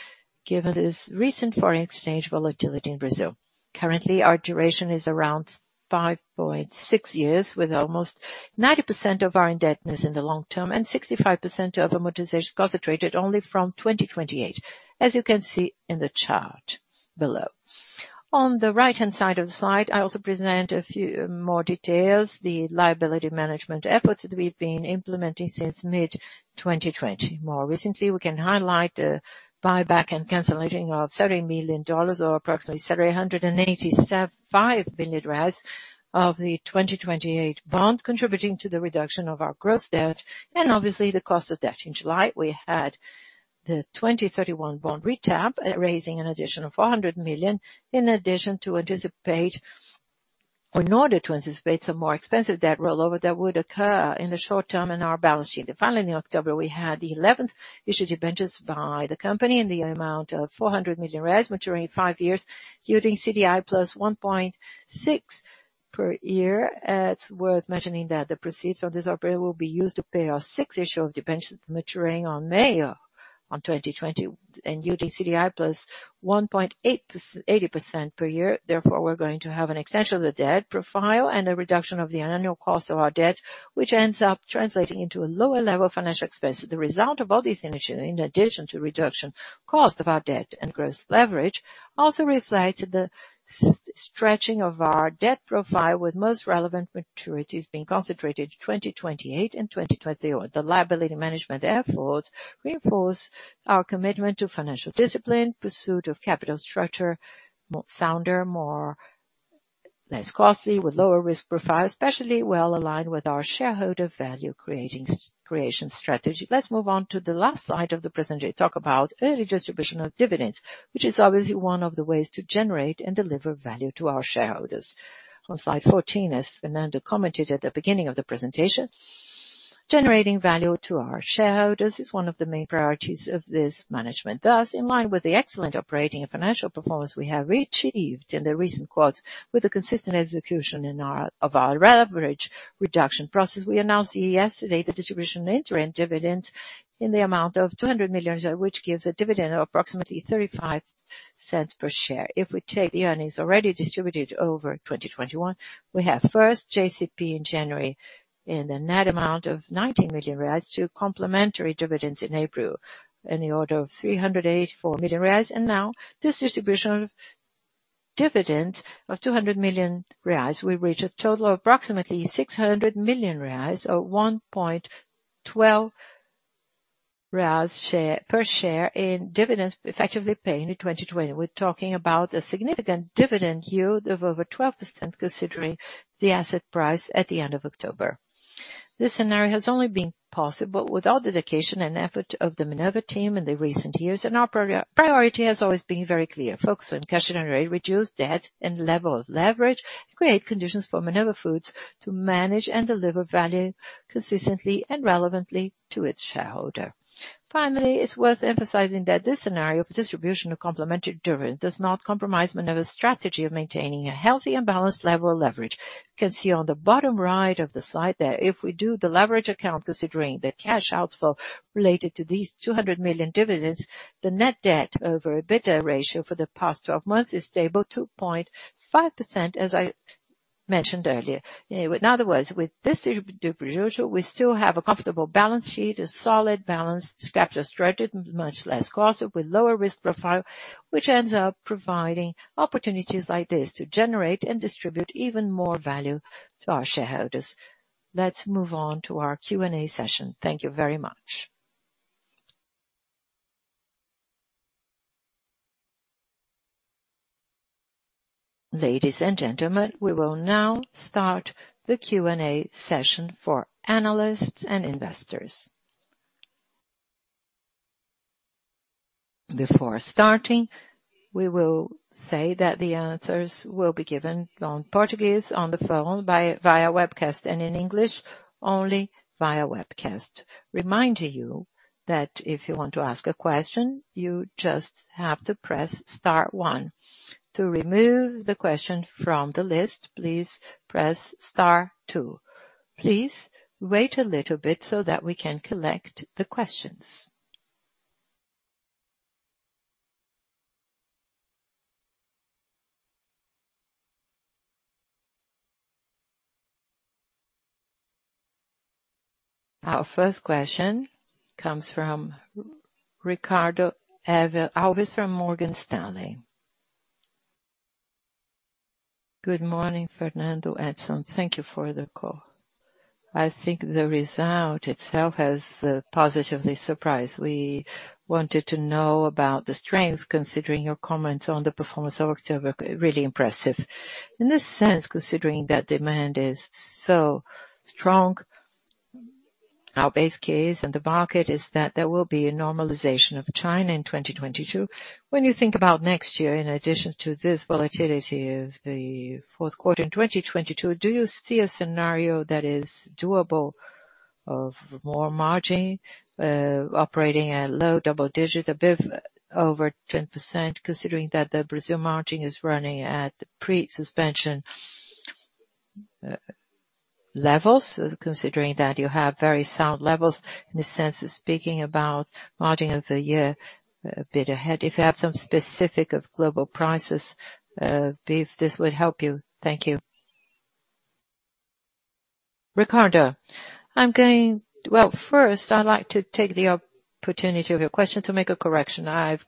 given this recent foreign exchange volatility in Brazil. Currently, our duration is around 5.6 years, with almost 90% of our indebtedness in the long term and 65% of amortizations concentrated only from 2028, as you can see in the chart below. On the right-hand side of the slide, I also present a few more details, the liability management efforts that we've been implementing since mid-2020. More recently, we can highlight the buyback and cancellation of $30 million or approximately 785 million of the 2028 Bond, contributing to the reduction of our gross debt and obviously the cost of debt. In July, we had the Bond 2031 retap, raising an additional $400 million in order to anticipate some more expensive debt rollover that would occur in the short term in our balance sheet. Finally, in October, we had the 11th issue of debentures by the company in the amount of 400 million maturing five years, yielding CDI +1.6% per year. It's worth mentioning that the proceeds from this offering will be used to pay our sixth issue of debentures maturing on May 2020 and yielding CDI +1.8% per year. Therefore, we're going to have an extension of the debt profile and a reduction of the annual cost of our debt, which ends up translating into a lower level of financial expense. The result of all these initiatives, in addition to reduction cost of our debt and gross leverage, also reflects the stretching of our debt profile, with most relevant maturities being concentrated 2028 and 2031. The liability management efforts reinforce our commitment to financial discipline, pursuit of capital structure less costly with lower risk profile, especially well aligned with our shareholder value creation strategy. Let's move on to the last slide of the presentation. Talk about early distribution of dividends, which is obviously one of the ways to generate and deliver value to our shareholders. On slide 14, as Fernando commented at the beginning of the presentation, generating value to our shareholders is one of the main priorities of this management. Thus, in line with the excellent operating and financial performance we have achieved in the recent quarters with the consistent execution in our leverage reduction process, we announced yesterday the distribution interim dividends in the amount of 200 million, which gives a dividend of approximately 0.35 per share. If we take the earnings already distributed over 2021, we have first JCP in January in a net amount of BRL 90 million to complementary dividends in April in the order of BRL 384 million. Now this distribution of dividend of BRL 200 million will reach a total of approximately BRL 600 million or 1.12 reais per share in dividends effectively paid in 2020. We're talking about a significant dividend yield of over 12% considering the asset price at the end of October. This scenario has only been possible with all dedication and effort of the Minerva team in the recent years, and our priority has always been very clear, focus on cash and reduce debt and level of leverage, create conditions for Minerva Foods to manage and deliver value consistently and relevantly to its shareholder. Finally, it's worth emphasizing that this scenario for distribution of complementary dividend does not compromise Minerva's strategy of maintaining a healthy and balanced level of leverage. You can see on the bottom right of the slide there, if we do the leverage account considering the cash outflow related to these R$ 200 million dividends, the net debt over EBITDA ratio for the past 12 months is stable, 2.5x as I mentioned earlier. In other words, with this distribution, we still have a comfortable balance sheet, a solid balance capture strategy, much less costly with lower risk profile, which ends up providing opportunities like this to generate and distribute even more value to our shareholders. Let's move on to our Q&A session. Thank you very much. Ladies and gentlemen, we will now start the Q&A session for analysts and investors. Our first question comes from Ricardo Alves from Morgan Stanley. Good morning, Fernando and Edison. Thank you for the call. I think the result itself has positively surprised. We wanted to know about the strength, considering your comments on the performance of October, really impressive. In this sense, considering that demand is so strong, our base case in the market is that there will be a normalization of China in 2022. When you think about next year, in addition to this volatility of the fourth quarter in 2022, do you see a scenario that is doable of more margin, operating at low double digit, a bit over 10%, considering that the Brazil margin is running at pre-suspension levels? Considering that you have very sound levels, in the sense of speaking about margin of the year a bit ahead. If you have some specific of global prices of beef, this would help you. Thank you. Ricardo, well, first, I'd like to take the opportunity of your question to make a correction. I've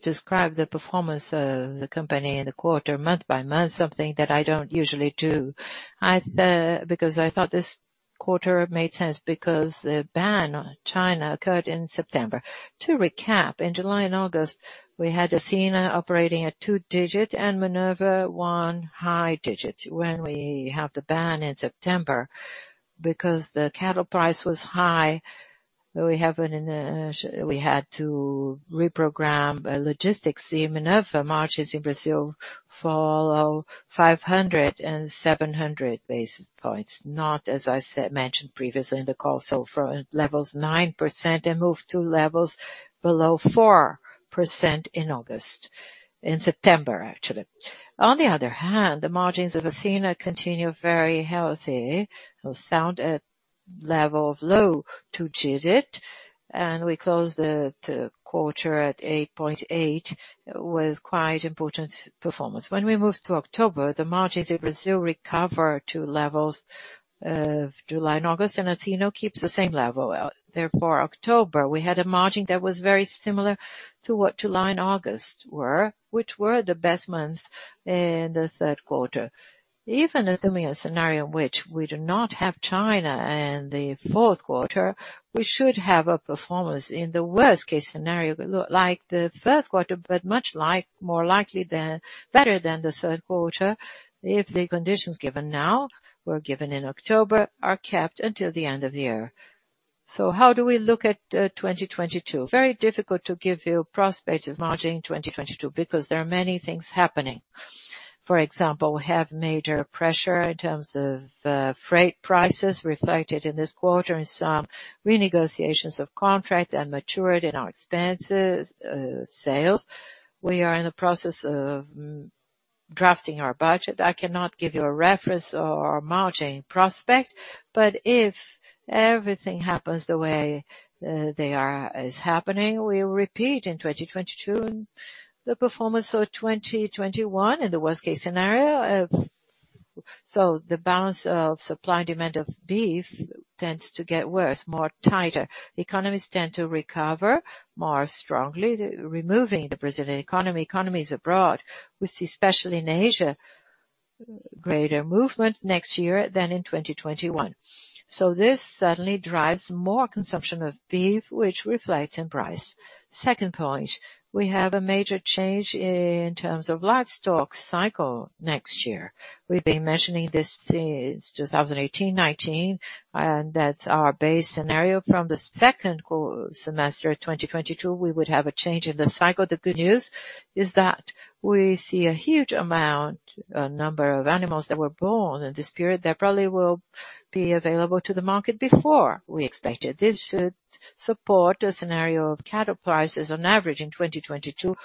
described the performance of the company in the quarter month-by-month, something that I don't usually do. I, because I thought this quarter made sense because the ban on China occurred in September. To recap, in July and August, we had Athena operating at two digit and Minerva high one digit. When we had the ban in September, because the cattle price was high, we had to reprogram logistics in Minerva. Margins in Brazil fell by 500 basis points and 700 basis points, not as I mentioned previously in the call, so from levels of 9% and moved to levels below 4% in September, actually. On the other hand, the margins of Athena continue very healthy, sound at level of low two digit. We closed the quarter at 8.8% with quite important performance. When we moved to October, the margins in Brazil recovered to levels of July and August, and Athena keeps the same level. Therefore, October, we had a margin that was very similar to what July and August were, which were the best months in the third quarter. Even assuming a scenario in which we do not have China in the fourth quarter, we should have a performance in the worst case scenario, like the first quarter, but much like, more likely than, better than the third quarter if the conditions given now were given in October are kept until the end of the year. How do we look at 2022? Very difficult to give you prospective margin 2022 because there are many things happening. For example, we have major pressure in terms of freight prices reflected in this quarter in some renegotiations of contract and matured in our expenses, sales. We are in the process of drafting our budget. I cannot give you a reference or margin prospect, but if everything happens the way they are happening, we will repeat in 2022 the performance for 2021 in the worst case scenario. The balance of supply and demand of beef tends to get worse, much tighter. Economies tend to recover more strongly, removing the Brazilian economy, economies abroad. We see especially in Asia greater movement next year than in 2021. This suddenly drives more consumption of beef, which reflects in price. Second point, we have a major change in terms of Livestock cycle next year. We've been mentioning this since 2018, 2019, and that's our base scenario. From the second half of 2022, we would have a change in the cycle. The good news is that we see a huge amount, number of animals that were born in this period that probably will be available to the market before we expected. This should support a scenario of cattle prices on average in 2022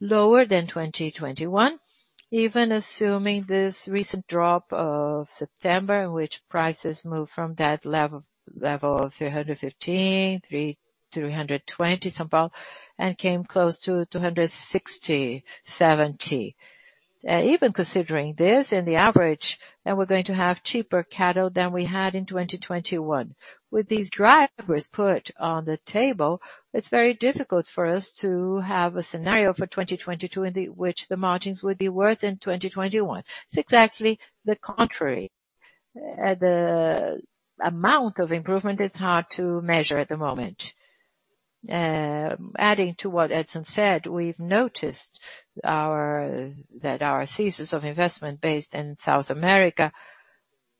lower than 2021. Even assuming this recent drop of September, in which prices moved from that level of $315-$320, somehow, and came close to $260, $270. Even considering this in the average, we're going to have cheaper cattle than we had in 2021. With these drivers put on the table, it's very difficult for us to have a scenario for 2022 in which the margins would be worse in 2021. It's exactly the contrary. The amount of improvement is hard to measure at the moment. Adding to what Edison said, we've noticed that our thesis of investment based in South America,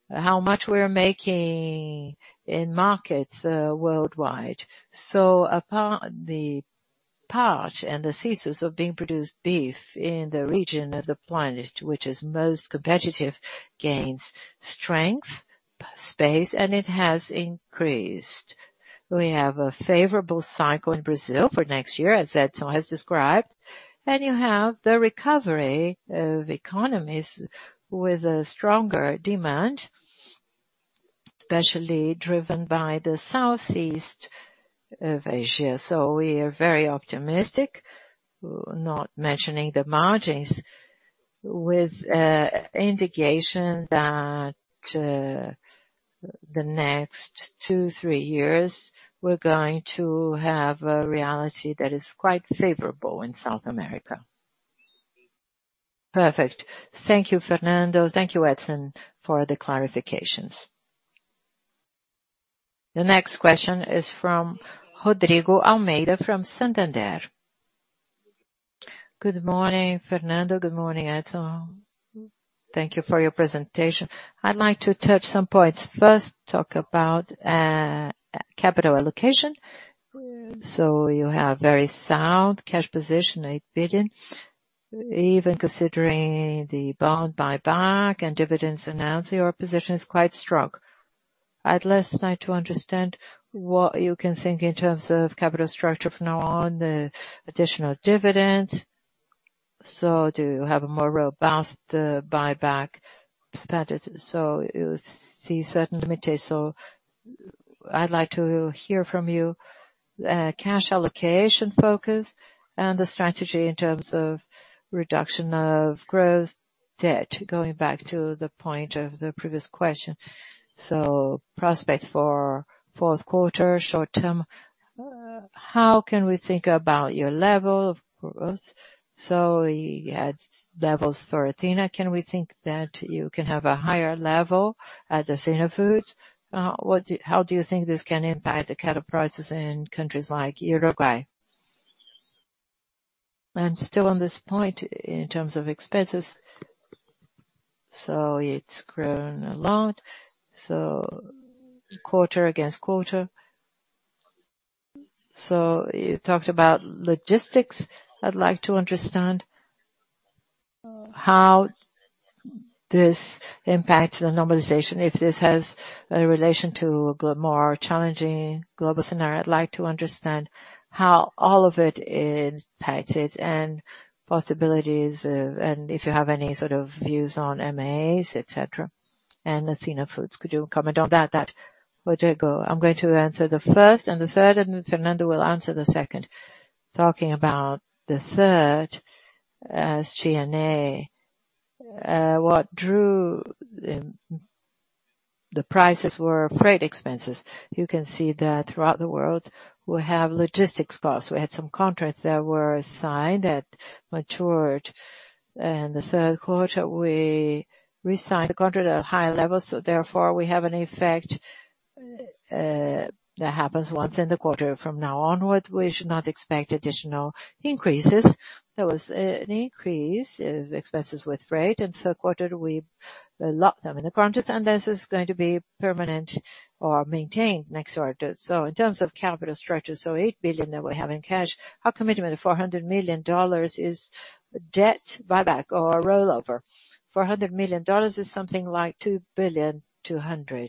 how much we're making in markets worldwide. A part of the thesis of producing beef in the region of the planet which is most competitive gains strength, pace, and it has increased. We have a favorable cycle in Brazil for next year, as Edison has described, and we have the recovery of economies with a stronger demand, especially driven by Southeast Asia. We are very optimistic, not mentioning the margins, with indication that the next two, three years we're going to have a reality that is quite favorable in South America. Perfect. Thank you, Fernando. Thank you, Edison, for the clarifications. The next question is from Rodrigo Almeida from Santander. Good morning, Fernando. Good morning, Edison. Thank you for your presentation. I'd like to touch on some points. First, talk about capital allocation. You have very sound cash position, 8 billion. Even considering the bond buyback and dividends announced, your position is quite strong. I'd like to understand what you can think in terms of capital structure from now on, the additional dividends. Do you have a more robust buyback spend? You see certain limits. I'd like to hear from you, cash allocation focus and the strategy in terms of reduction of gross debt, going back to the point of the previous question. Prospects for fourth quarter, short term, how can we think about your level of growth? You had levels for Athena Foods. Can we think that you can have a higher level at Athena Foods? How do you think this can impact the cattle prices in countries like Uruguay? Still on this point, in terms of expenses, so it's grown a lot, so quarter-against-quarter. You talked about logistics. I'd like to understand how this impacts the normalization. If this has a relation to the more challenging global scenario, I'd like to understand how all of it impacts it and possibilities of. If you have any sort of views on M&As, etc. Athena Foods, could you comment on that? Rodrigo, I'm going to answer the first and the third, and Fernando will answer the second. Talking about the third, as G&A, what drove the prices were freight expenses. You can see that throughout the world we have logistics costs. We had some contracts that were signed that matured. In the third quarter, we re-signed the contract at a higher level, so therefore we have an effect that happens once in the quarter. From now onward, we should not expect additional increases. There was an increase in expenses with freight. In the third quarter, we locked them in the contracts and this is going to be permanent or maintained next quarter. In terms of capital structure, 8 billion that we have in cash, our commitment of $400 million is debt buyback or rollover. $400 million is something like 2,200,000,000,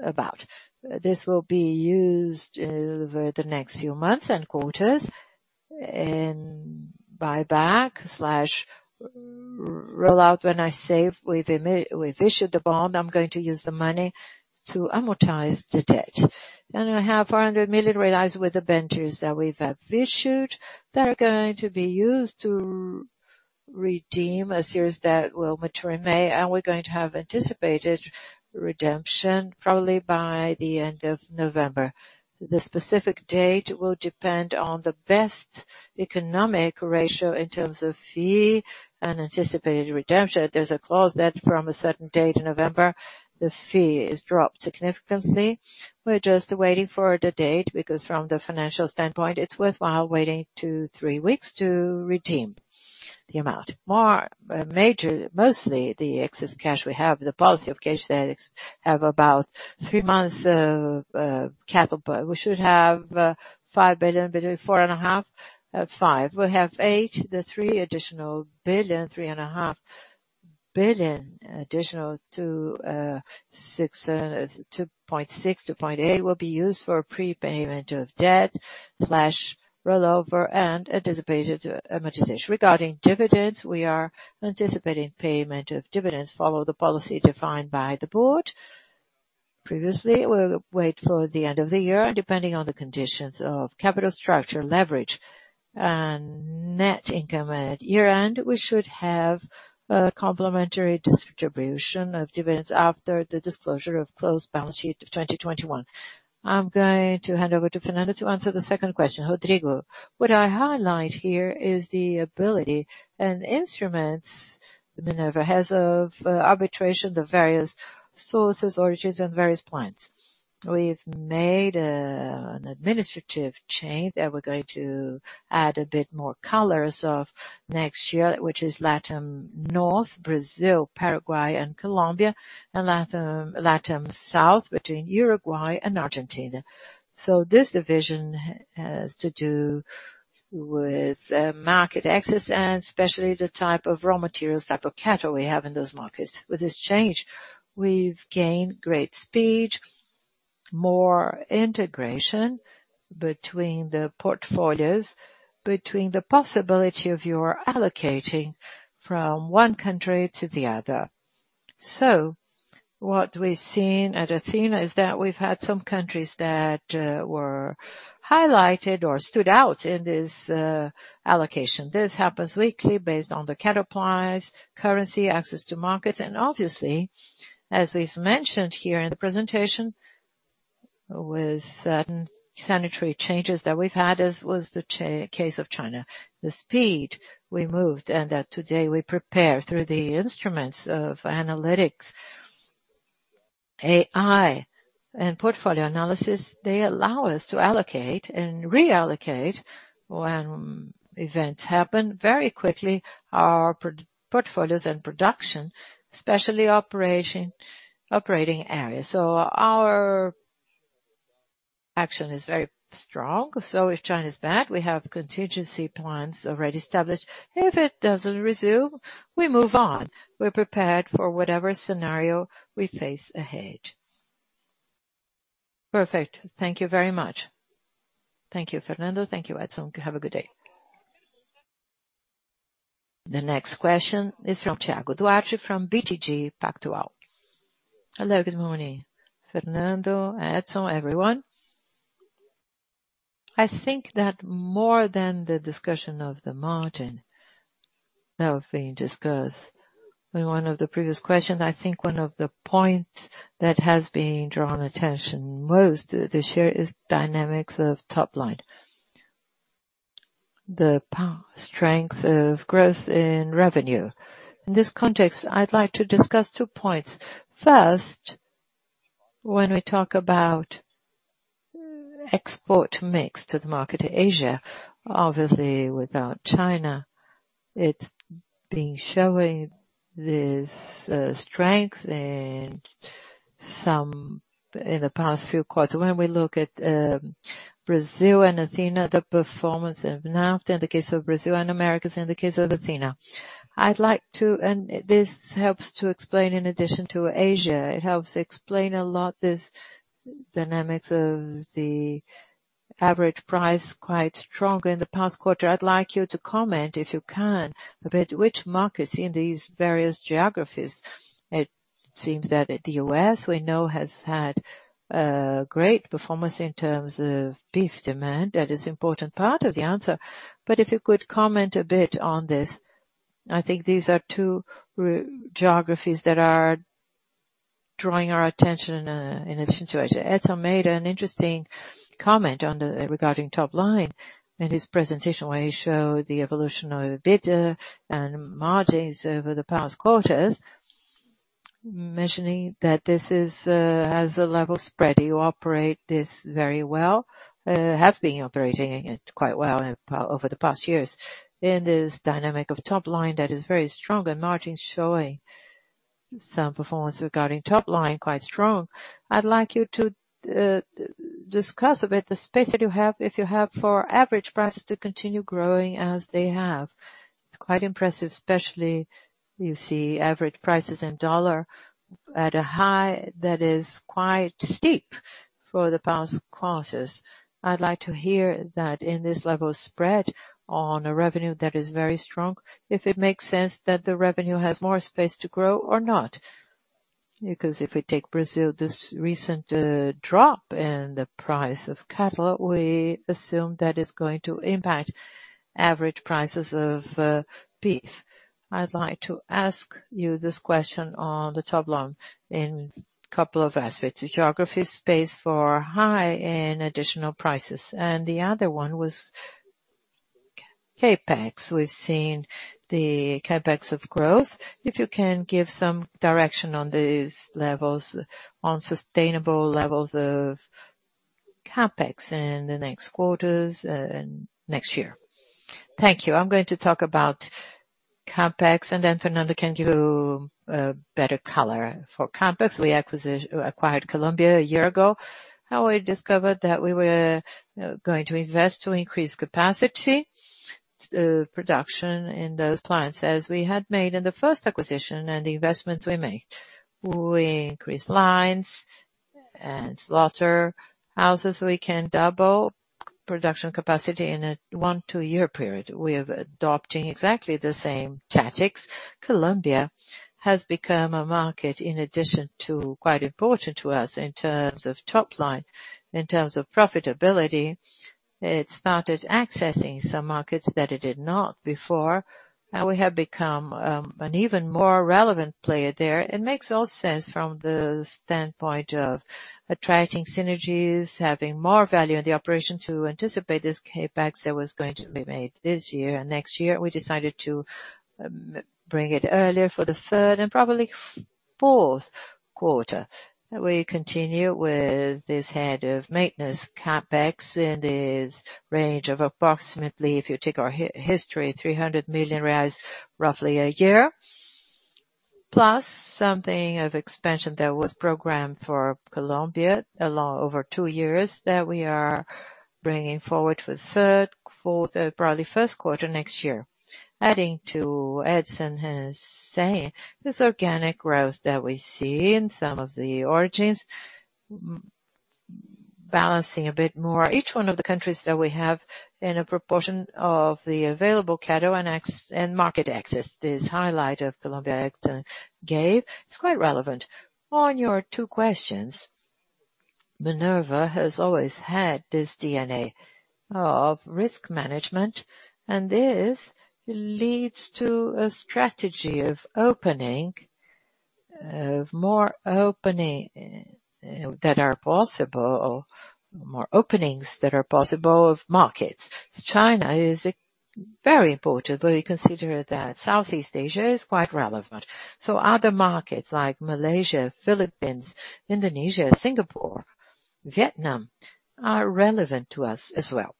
about. This will be used over the next few months and quarters in buyback slash rollover. When I say we've issued the bond, I'm going to use the money to amortize the debt. I have 400 million real realized with the debentures that we've issued that are going to be used to redeem a series that will mature in May, and we're going to have anticipated redemption probably by the end of November. The specific date will depend on the best economic ratio in terms of fee and anticipated redemption. There's a clause that from a certain date in November, the fee is dropped significantly. We're just waiting for the date because from the financial standpoint, it's worthwhile waiting two, three weeks to redeem the amount. Mostly the excess cash we have, the policy of cash that is have about three months of cattle. But we should have 5 billion, between 4.5 billion and 5 billion. We have 8 billion. The 3 billion additional, 3.5 billion additional to 2.6 billion-2.8 billion will be used for prepayment of debt/rollover and anticipated amortization. Regarding dividends, we are anticipating payment of dividends following the policy defined by the Board previously. We'll wait for the end of the year. Depending on the conditions of capital structure, leverage, and net income at year-end, we should have a complementary distribution of dividends after the disclosure of closing balance sheet of 2021. I'm going to hand over to Fernando to answer the second question. Rodrigo, what I highlight here is the ability and instruments Minerva has of arbitrage of various sources, origins and various points. We've made an administrative change, and we're going to add a bit more color on next year, which is LATAM North, Brazil, Paraguay and Colombia, and LATAM South between Uruguay and Argentina. This division has to do with market access and especially the type of raw materials, type of cattle we have in those markets. With this change, we've gained great speed, more integration between the portfolios, between the possibility of your allocating from one country to the other. What we've seen at Athena is that we've had some countries that were highlighted or stood out in this allocation. This happens weekly based on the cattle price, currency, access to markets, and obviously, as we've mentioned here in the presentation, with certain sanitary changes that we've had, as was the case of China, the speed we moved and that today we prepare through the instruments of analytics, AI and portfolio analysis, they allow us to allocate and reallocate when events happen very quickly our portfolios and production, especially operating areas. Our action is very strong. If China's back, we have contingency plans already established. If it doesn't resume, we move on. We're prepared for whatever scenario we face ahead. Perfect. Thank you very much. Thank you, Fernando. Thank you, Edison. Have a good day. The next question is from Thiago Duarte from BTG Pactual. Hello, good morning, Fernando, Edison, everyone. I think that more than the discussion of the margin that was being discussed in one of the previous questions, I think one of the points that has drawn the most attention this year is dynamics of top line. The strength of growth in revenue. In this context, I'd like to discuss two points. First, when we talk about export mix to the market in Asia, obviously without China, it's been showing this strength in some of the past few quarters. When we look at Brazil and Athena, the performance of Minerva in the case of Brazil and Americas in the case of Athena. This helps to explain in addition to Asia. It helps explain a lot this dynamics of the average price quite strong in the past quarter. I'd like you to comment, if you can, about which markets in these various geographies. It seems that the U.S. we know has had great performance in terms of beef demand. That is important part of the answer. If you could comment a bit on this, I think these are two key geographies that are drawing our attention in this situation. Edison made an interesting comment regarding top line in his presentation, where he showed the evolution of EBITDA and margins over the past quarters, mentioning that this is has a level spread. You operate this very well have been operating it quite well over the past years. In this dynamic of top line that is very strong and margins showing some performance regarding top line quite strong. I'd like you to discuss a bit the space that you have, if you have, for average prices to continue growing as they have. It's quite impressive, especially you see average prices in dollar at a high that is quite steep for the past quarters. I'd like to hear that in this level spread on a revenue that is very strong, if it makes sense that the revenue has more space to grow or not. If we take Brazil, this recent drop in the price of cattle, we assume that it's going to impact average prices of beef. I'd like to ask you this question on the top line in a couple of aspects. Geographic space for high and additional prices, and the other one was CapEx. We've seen the CapEx of growth. If you can give some direction on these levels, on sustainable levels of CapEx in the next quarters and next year. Thank you. I'm going to talk about CapEx, and then Fernando can give better color. For CapEx, we acquired Colombia a year ago. How we discovered that we were going to invest to increase capacity to production in those plants as we had made in the first acquisition and the investments we made. We increased lines and slaughter houses. We can double production capacity in a one- to two-year period. We're adopting exactly the same tactics. Colombia has become a market in addition to quite important to us in terms of top line. In terms of profitability, it started accessing some markets that it did not before. Now we have become an even more relevant player there. It makes all sense from the standpoint of attracting synergies, having more value in the operation to anticipate this CapEx that was going to be made this year. Next year we decided to bring it earlier for the third and probably fourth quarter. We continue with this head of maintenance CapEx in this range of approximately, if you take our history, 300 million reais, roughly a year. Plus something of expansion that was programmed for Colombia along over two years, that we are bringing forward for third, fourth, or probably first quarter next year. Adding to Edison, he's saying this organic growth that we see in some of the origins balancing a bit more each one of the countries that we have in a proportion of the available cattle and export and market access. This highlight of Colombia that Edison gave is quite relevant. On your two questions, Minerva has always had this DNA of risk management, and this leads to a strategy of opening, of more opening, that are possible, more openings that are possible of markets. China is very important, but we consider that Southeast Asia is quite relevant. Other markets like Malaysia, Philippines, Indonesia, Singapore, Vietnam, are relevant to us as well.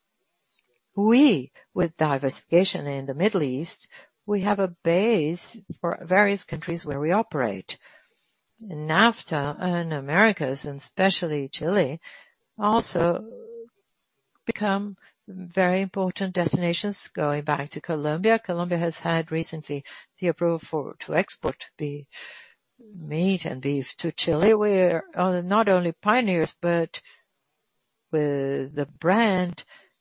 We, with diversification in the Middle East, we have a base for various countries where we operate. NAFTA and Americas, and especially Chile, also become very important destinations going back to Colombia. Colombia has had recently the approval to export the meat and beef to Chile. We're not only pioneers, but with the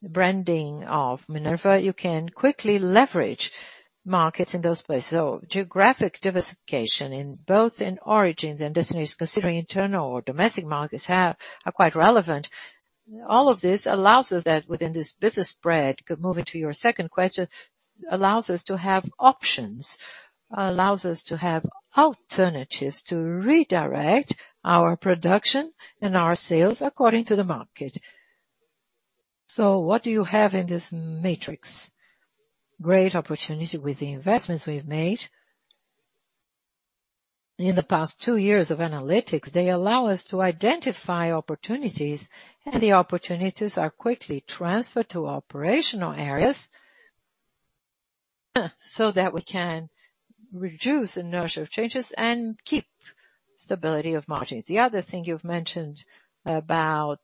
branding of Minerva, you can quickly leverage markets in those places. Geographic diversification in both origin then destination, considering internal or domestic markets are quite relevant. All of this allows us that within this business spread, moving to your second question, allows us to have options, allows us to have alternatives to redirect our production and our sales according to the market. What do you have in this matrix? Great opportunity with the investments we've made. In the past two years of analytics, they allow us to identify opportunities, and the opportunities are quickly transferred to operational areas, so that we can reduce inertia of changes and keep stability of margin. The other thing you've mentioned about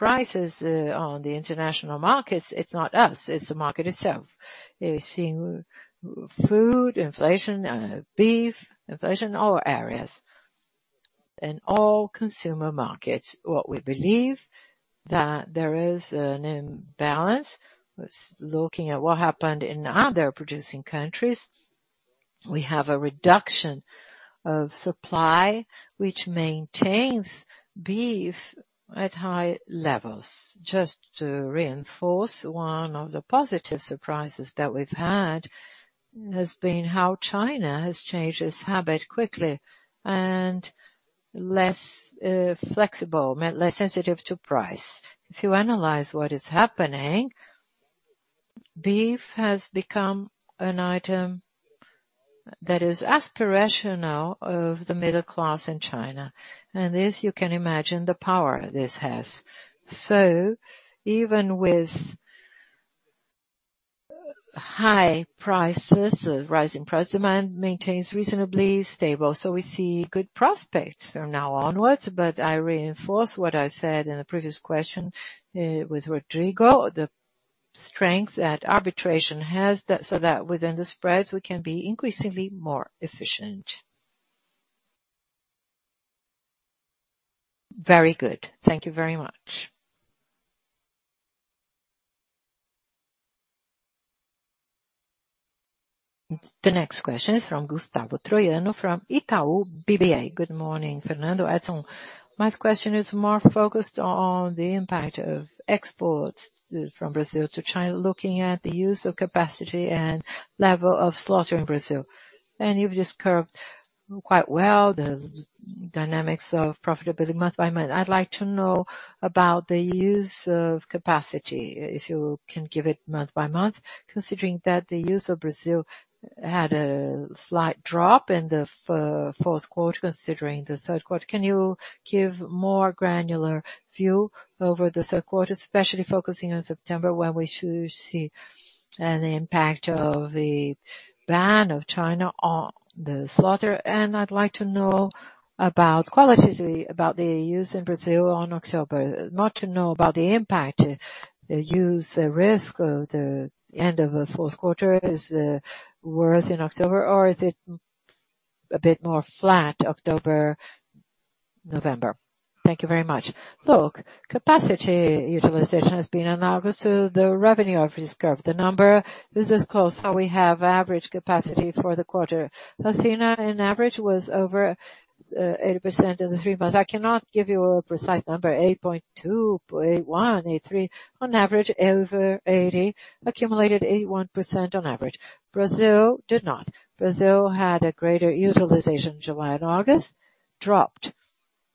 prices on the international markets, it's not us, it's the market itself. We're seeing food inflation, beef inflation, all areas. In all consumer markets, what we believe that there is an imbalance. Let's look at what happened in other producing countries. We have a reduction of supply which maintains beef at high levels. Just to reinforce one of the positive surprises that we've had has been how China has changed its habit quickly and less flexible, less sensitive to price. If you analyze what is happening, beef has become an item that is aspirational of the middle class in China. This, you can imagine the power this has. Even with high prices, rising prices, demand maintains reasonably stable. We see good prospects from now onwards, but I reinforce what I said in the previous question, with Rodrigo, the strength that arbitrage has that, so that within the spreads, we can be increasingly more efficient. Very good. Thank you very much. The next question is from Gustavo Troyano from Itaú BBA. Good morning, Fernando. Edison. My question is more focused on the impact of exports from Brazil to China, looking at the use of capacity and level of slaughter in Brazil. You've just captured quite well the dynamics of profitability month-by-month. I'd like to know about the use of capacity, if you can give it month-by-month, considering that the use in Brazil had a slight drop in the fourth quarter, considering the third quarter. Can you give more granular view over the third quarter, especially focusing on September, where we should see an impact of the ban of China on the slaughter? And I'd like to know qualitatively about the use in Brazil on October. I'd like to know about the impact, the use, the risk of the end of the fourth quarter. Is it worse in October or is it a bit more flat October, November? Thank you very much. Look, capacity utilization has been analogous to the revenue of this curve. This is close. So we have average capacity for the quarter. Athena on average was over 80% in the three months. I cannot give you a precise number, 80.2%, 80.1%, 80.3%. On average, over 80% accumulated 81% on average. Brazil did not. Brazil had a greater utilization. July and August dropped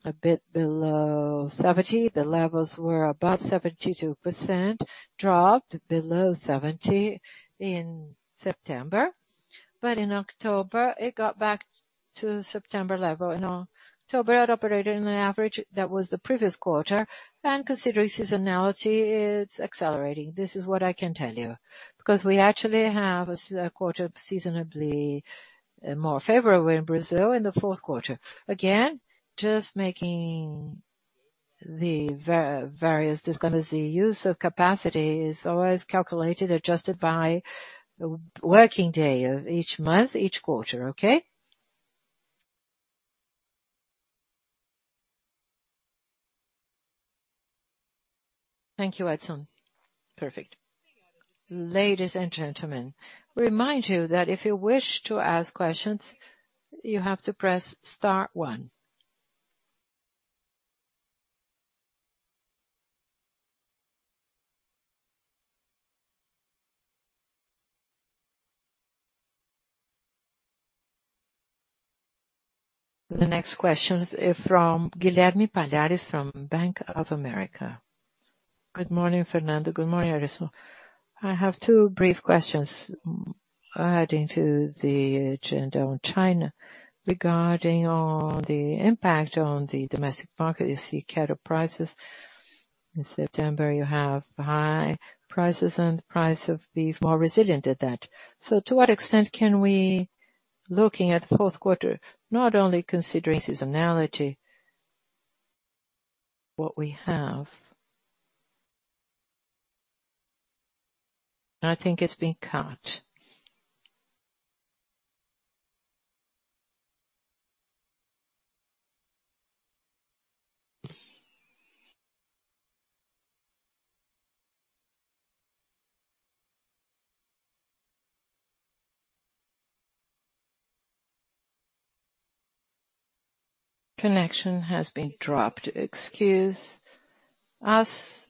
a bit below 70%. The levels were above 72%, dropped below 70% in September. In October, it got back to September level. In October, it operated in an average that was the previous quarter. Considering seasonality, it's accelerating. This is what I can tell you. Because we actually have a stronger quarter seasonally more favorable in Brazil in the fourth quarter. Again, just making the various disclaimers. The use of capacity is always calculated, adjusted by working day of each month, each quarter. Okay? Thank you, Edison. Perfect. Ladies and gentlemen, remind you that if you wish to ask questions, you have to press star one. The next question is from Guilherme Palhares from Bank of America. Good morning, Fernando. Good morning, Edison. I have two brief questions adding to the agenda on China. Regarding the impact on the domestic market, you see cattle prices. In September, you have high prices and price of Beef more resilient at that. To what extent can we, looking at the fourth quarter, not only considering seasonality, what we have. I think it's been cut. Connection has been dropped. Excuse us.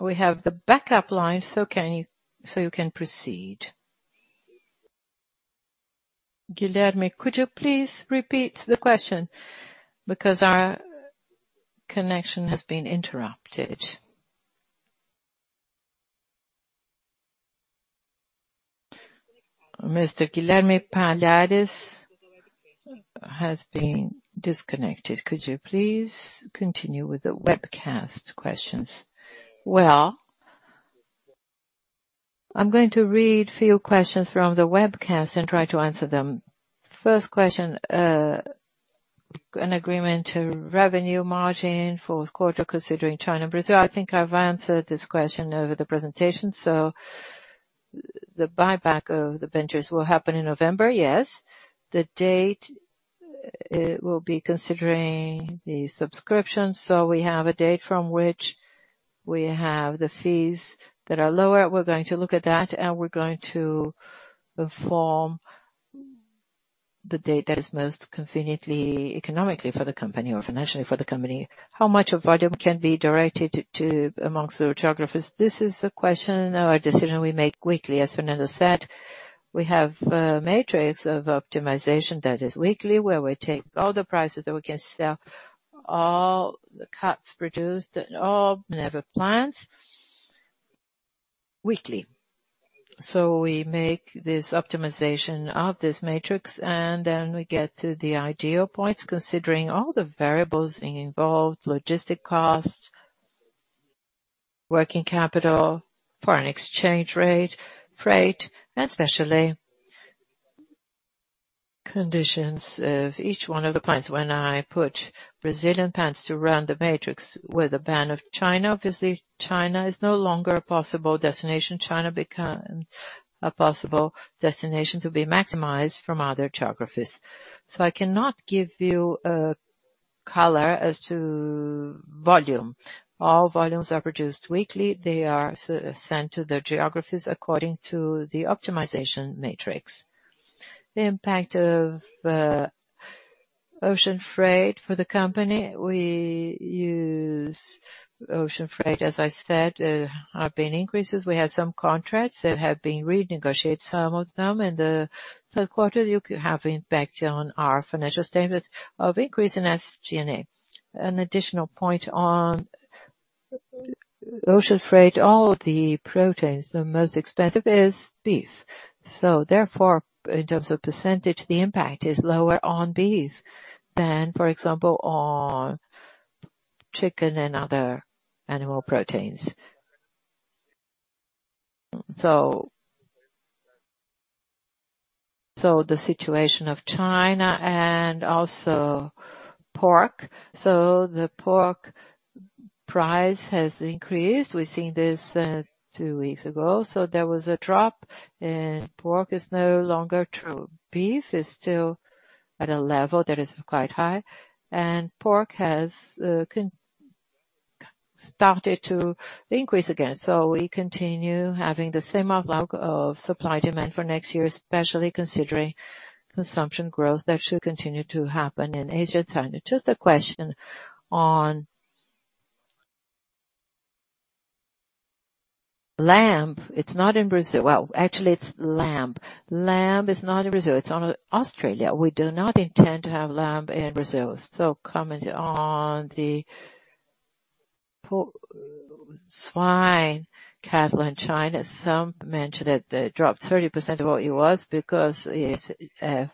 We have the backup line, so you can proceed. Guilherme, could you please repeat the question? Because our connection has been interrupted. Mr. Guilherme Palhares has been disconnected. Could you please continue with the webcast questions? Well, I'm going to read few questions from the webcast and try to answer them. First question on an agreement to revenue margin for the fourth quarter, considering China and Brazil. I think I've answered this question during the presentation. The buyback of the debentures will happen in November. Yes. The date, it will be considering the subscription. We have a date from which we have the fees that are lower. We're going to look at that, and we're going to inform the date that is most convenient economically for the company or financially for the company. How much volume can be directed to, amongst the geographies? This is a question or a decision we make weekly. As Fernando said, we have a matrix of optimization that is weekly, where we take all the prices that we can sell, all the cuts produced at all Minerva plants, weekly. We make this optimization of this matrix, and then we get to the ideal points, considering all the variables involved, logistic costs, working capital, foreign exchange rate, freight, and especially conditions of each one of the plants. When I put Brazilian plants to run the matrix with a ban of China, obviously China is no longer a possible destination. China becomes a possible destination to be maximized from other geographies. I cannot give you a color as to volume. All volumes are produced weekly. They are sent to the geographies according to the optimization matrix. The impact of ocean freight for the company? We use ocean freight, as I said. There have been increases. We have some contracts that have been renegotiated, some of them. In the third quarter we have impact on our financial statement of increase in SG&A. An additional point on ocean freight, all the proteins, the most expensive is Beef. Therefore, in terms of percentage, the impact is lower on Beef than, for example, on chicken and other animal proteins. The situation in China and also pork. The pork price has increased. We've seen this two weeks ago, so there was a drop and pork is no longer true. Beef is still at a level that is quite high, and pork has started to increase again. We continue having the same outlook of supply-demand for next year, especially considering consumption growth that should continue to happen in Asia, China. Just a question on lamb. It's not in Brazil. Well, actually it's lamb. Lamb is not in Brazil, it's in Australia. We do not intend to have lamb in Brazil. Commenting on the swine, cattle in China, some mentioned that they dropped 30% of what it was because it is crisis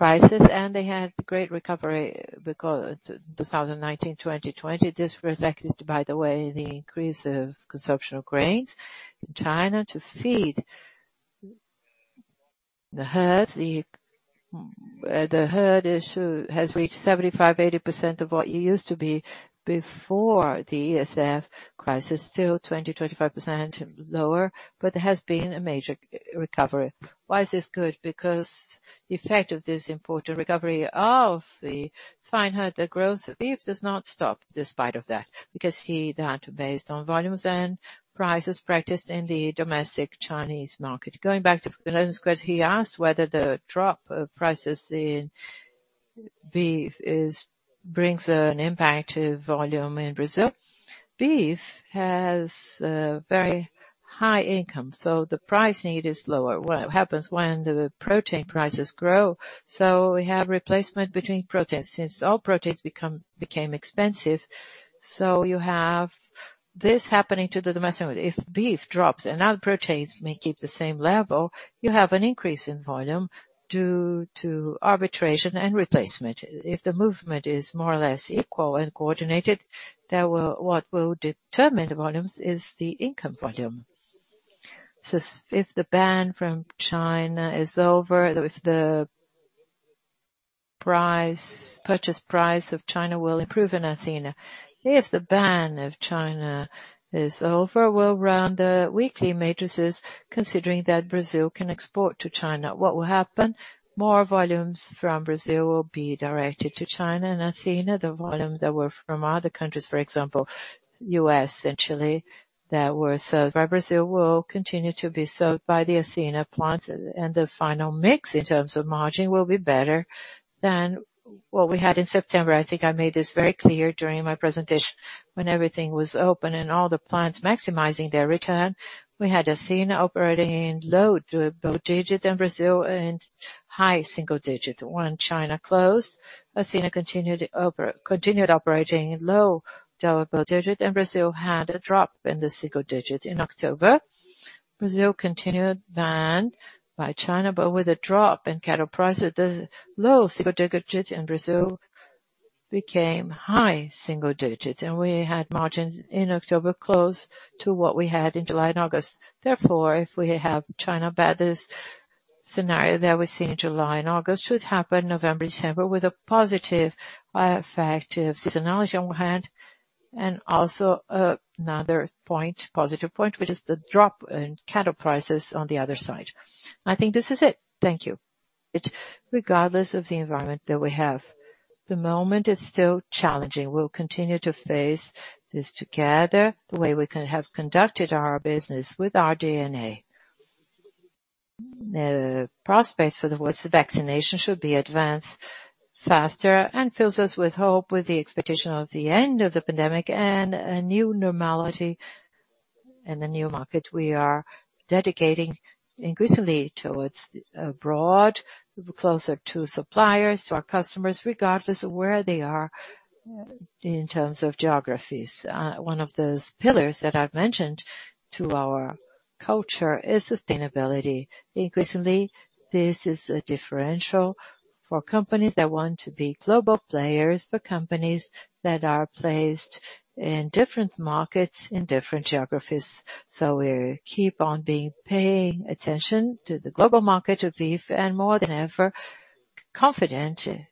and they had great recovery because 2019, 2020. This reflected, by the way, the increase of consumption of grains in China to feed the herds. The herd issue has reached 75%-80% of what it used to be before the ASF crisis. Still 20%-25% lower, but there has been a major recovery. Why is this good? Because the effect of this important recovery of the swine herd, the growth of Beef does not stop despite of that, because that based on volumes and prices practiced in the domestic Chinese market. Going back to Leon's question, he asked whether the drop of prices in Beef brings an impact to volume in Brazil. Beef has very high income, so the price need is lower. What happens when the protein prices grow? We have replacement between proteins. Since all proteins became expensive, so you have this happening to the domestic market. If Beef drops and other proteins may keep the same level, you have an increase in volume due to arbitrage and replacement. If the movement is more or less equal and coordinated, then what will determine the volumes is the income volume. If the ban from China is over, if the purchase price of China will improve in Athena? If the ban of China is over, we'll run the weekly metrics considering that Brazil can export to China. What will happen? More volumes from Brazil will be directed to China and Athena. The volumes that were from other countries, for example U.S. and Chile, that were served by Brazil will continue to be served by the Athena plants, and the final mix in terms of margin will be better than what we had in September. I think I made this very clear during my presentation when everything was open and all the plants maximizing their return, we had Athena operating in low single digit in Brazil and high single digit. When China closed, Athena continued operating in low single digit, and Brazil had a drop in the single digit. In October, Brazil continued ban by China, but with a drop in cattle prices, the low single digit in Brazil became high single digit, and we had margins in October close to what we had in July and August. Therefore, if we have China ban this scenario that we see in July and August should happen November, December, with a positive effect of seasonality on one hand, and also another point, positive point, which is the drop in cattle prices on the other side. I think this is it. Thank you. Regardless of the environment that we have, the moment is still challenging. We'll continue to face this together the way we can, have conducted our business with our DNA. The prospects for the world's vaccination should be advanced faster and fills us with hope with the expectation of the end of the pandemic and a new normality in the new market we are dedicating increasingly towards abroad, closer to suppliers, to our customers, regardless of where they are in terms of geographies. One of those pillars that I've mentioned to our culture is sustainability. Increasingly, this is a differential for companies that want to be global players, for companies that are placed in different markets, in different geographies. We'll keep on being, paying attention to the global market of Beef and more than ever, confident in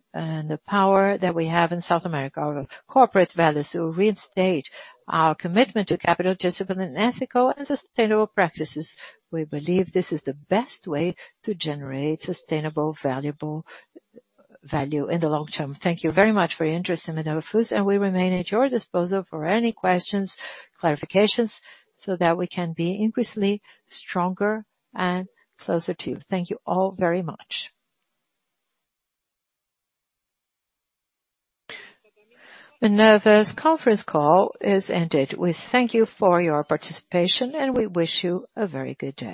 the power that we have in South America. Our corporate values will reinstate our commitment to capital discipline and ethical and sustainable practices. We believe this is the best way to generate sustainable value in the long term. Thank you very much for your interest in Minerva Foods, and we remain at your disposal for any questions, clarifications, so that we can be increasingly stronger and closer to you. Thank you all very much. Minerva's conference call is ended. We thank you for your participation, and we wish you a very good day.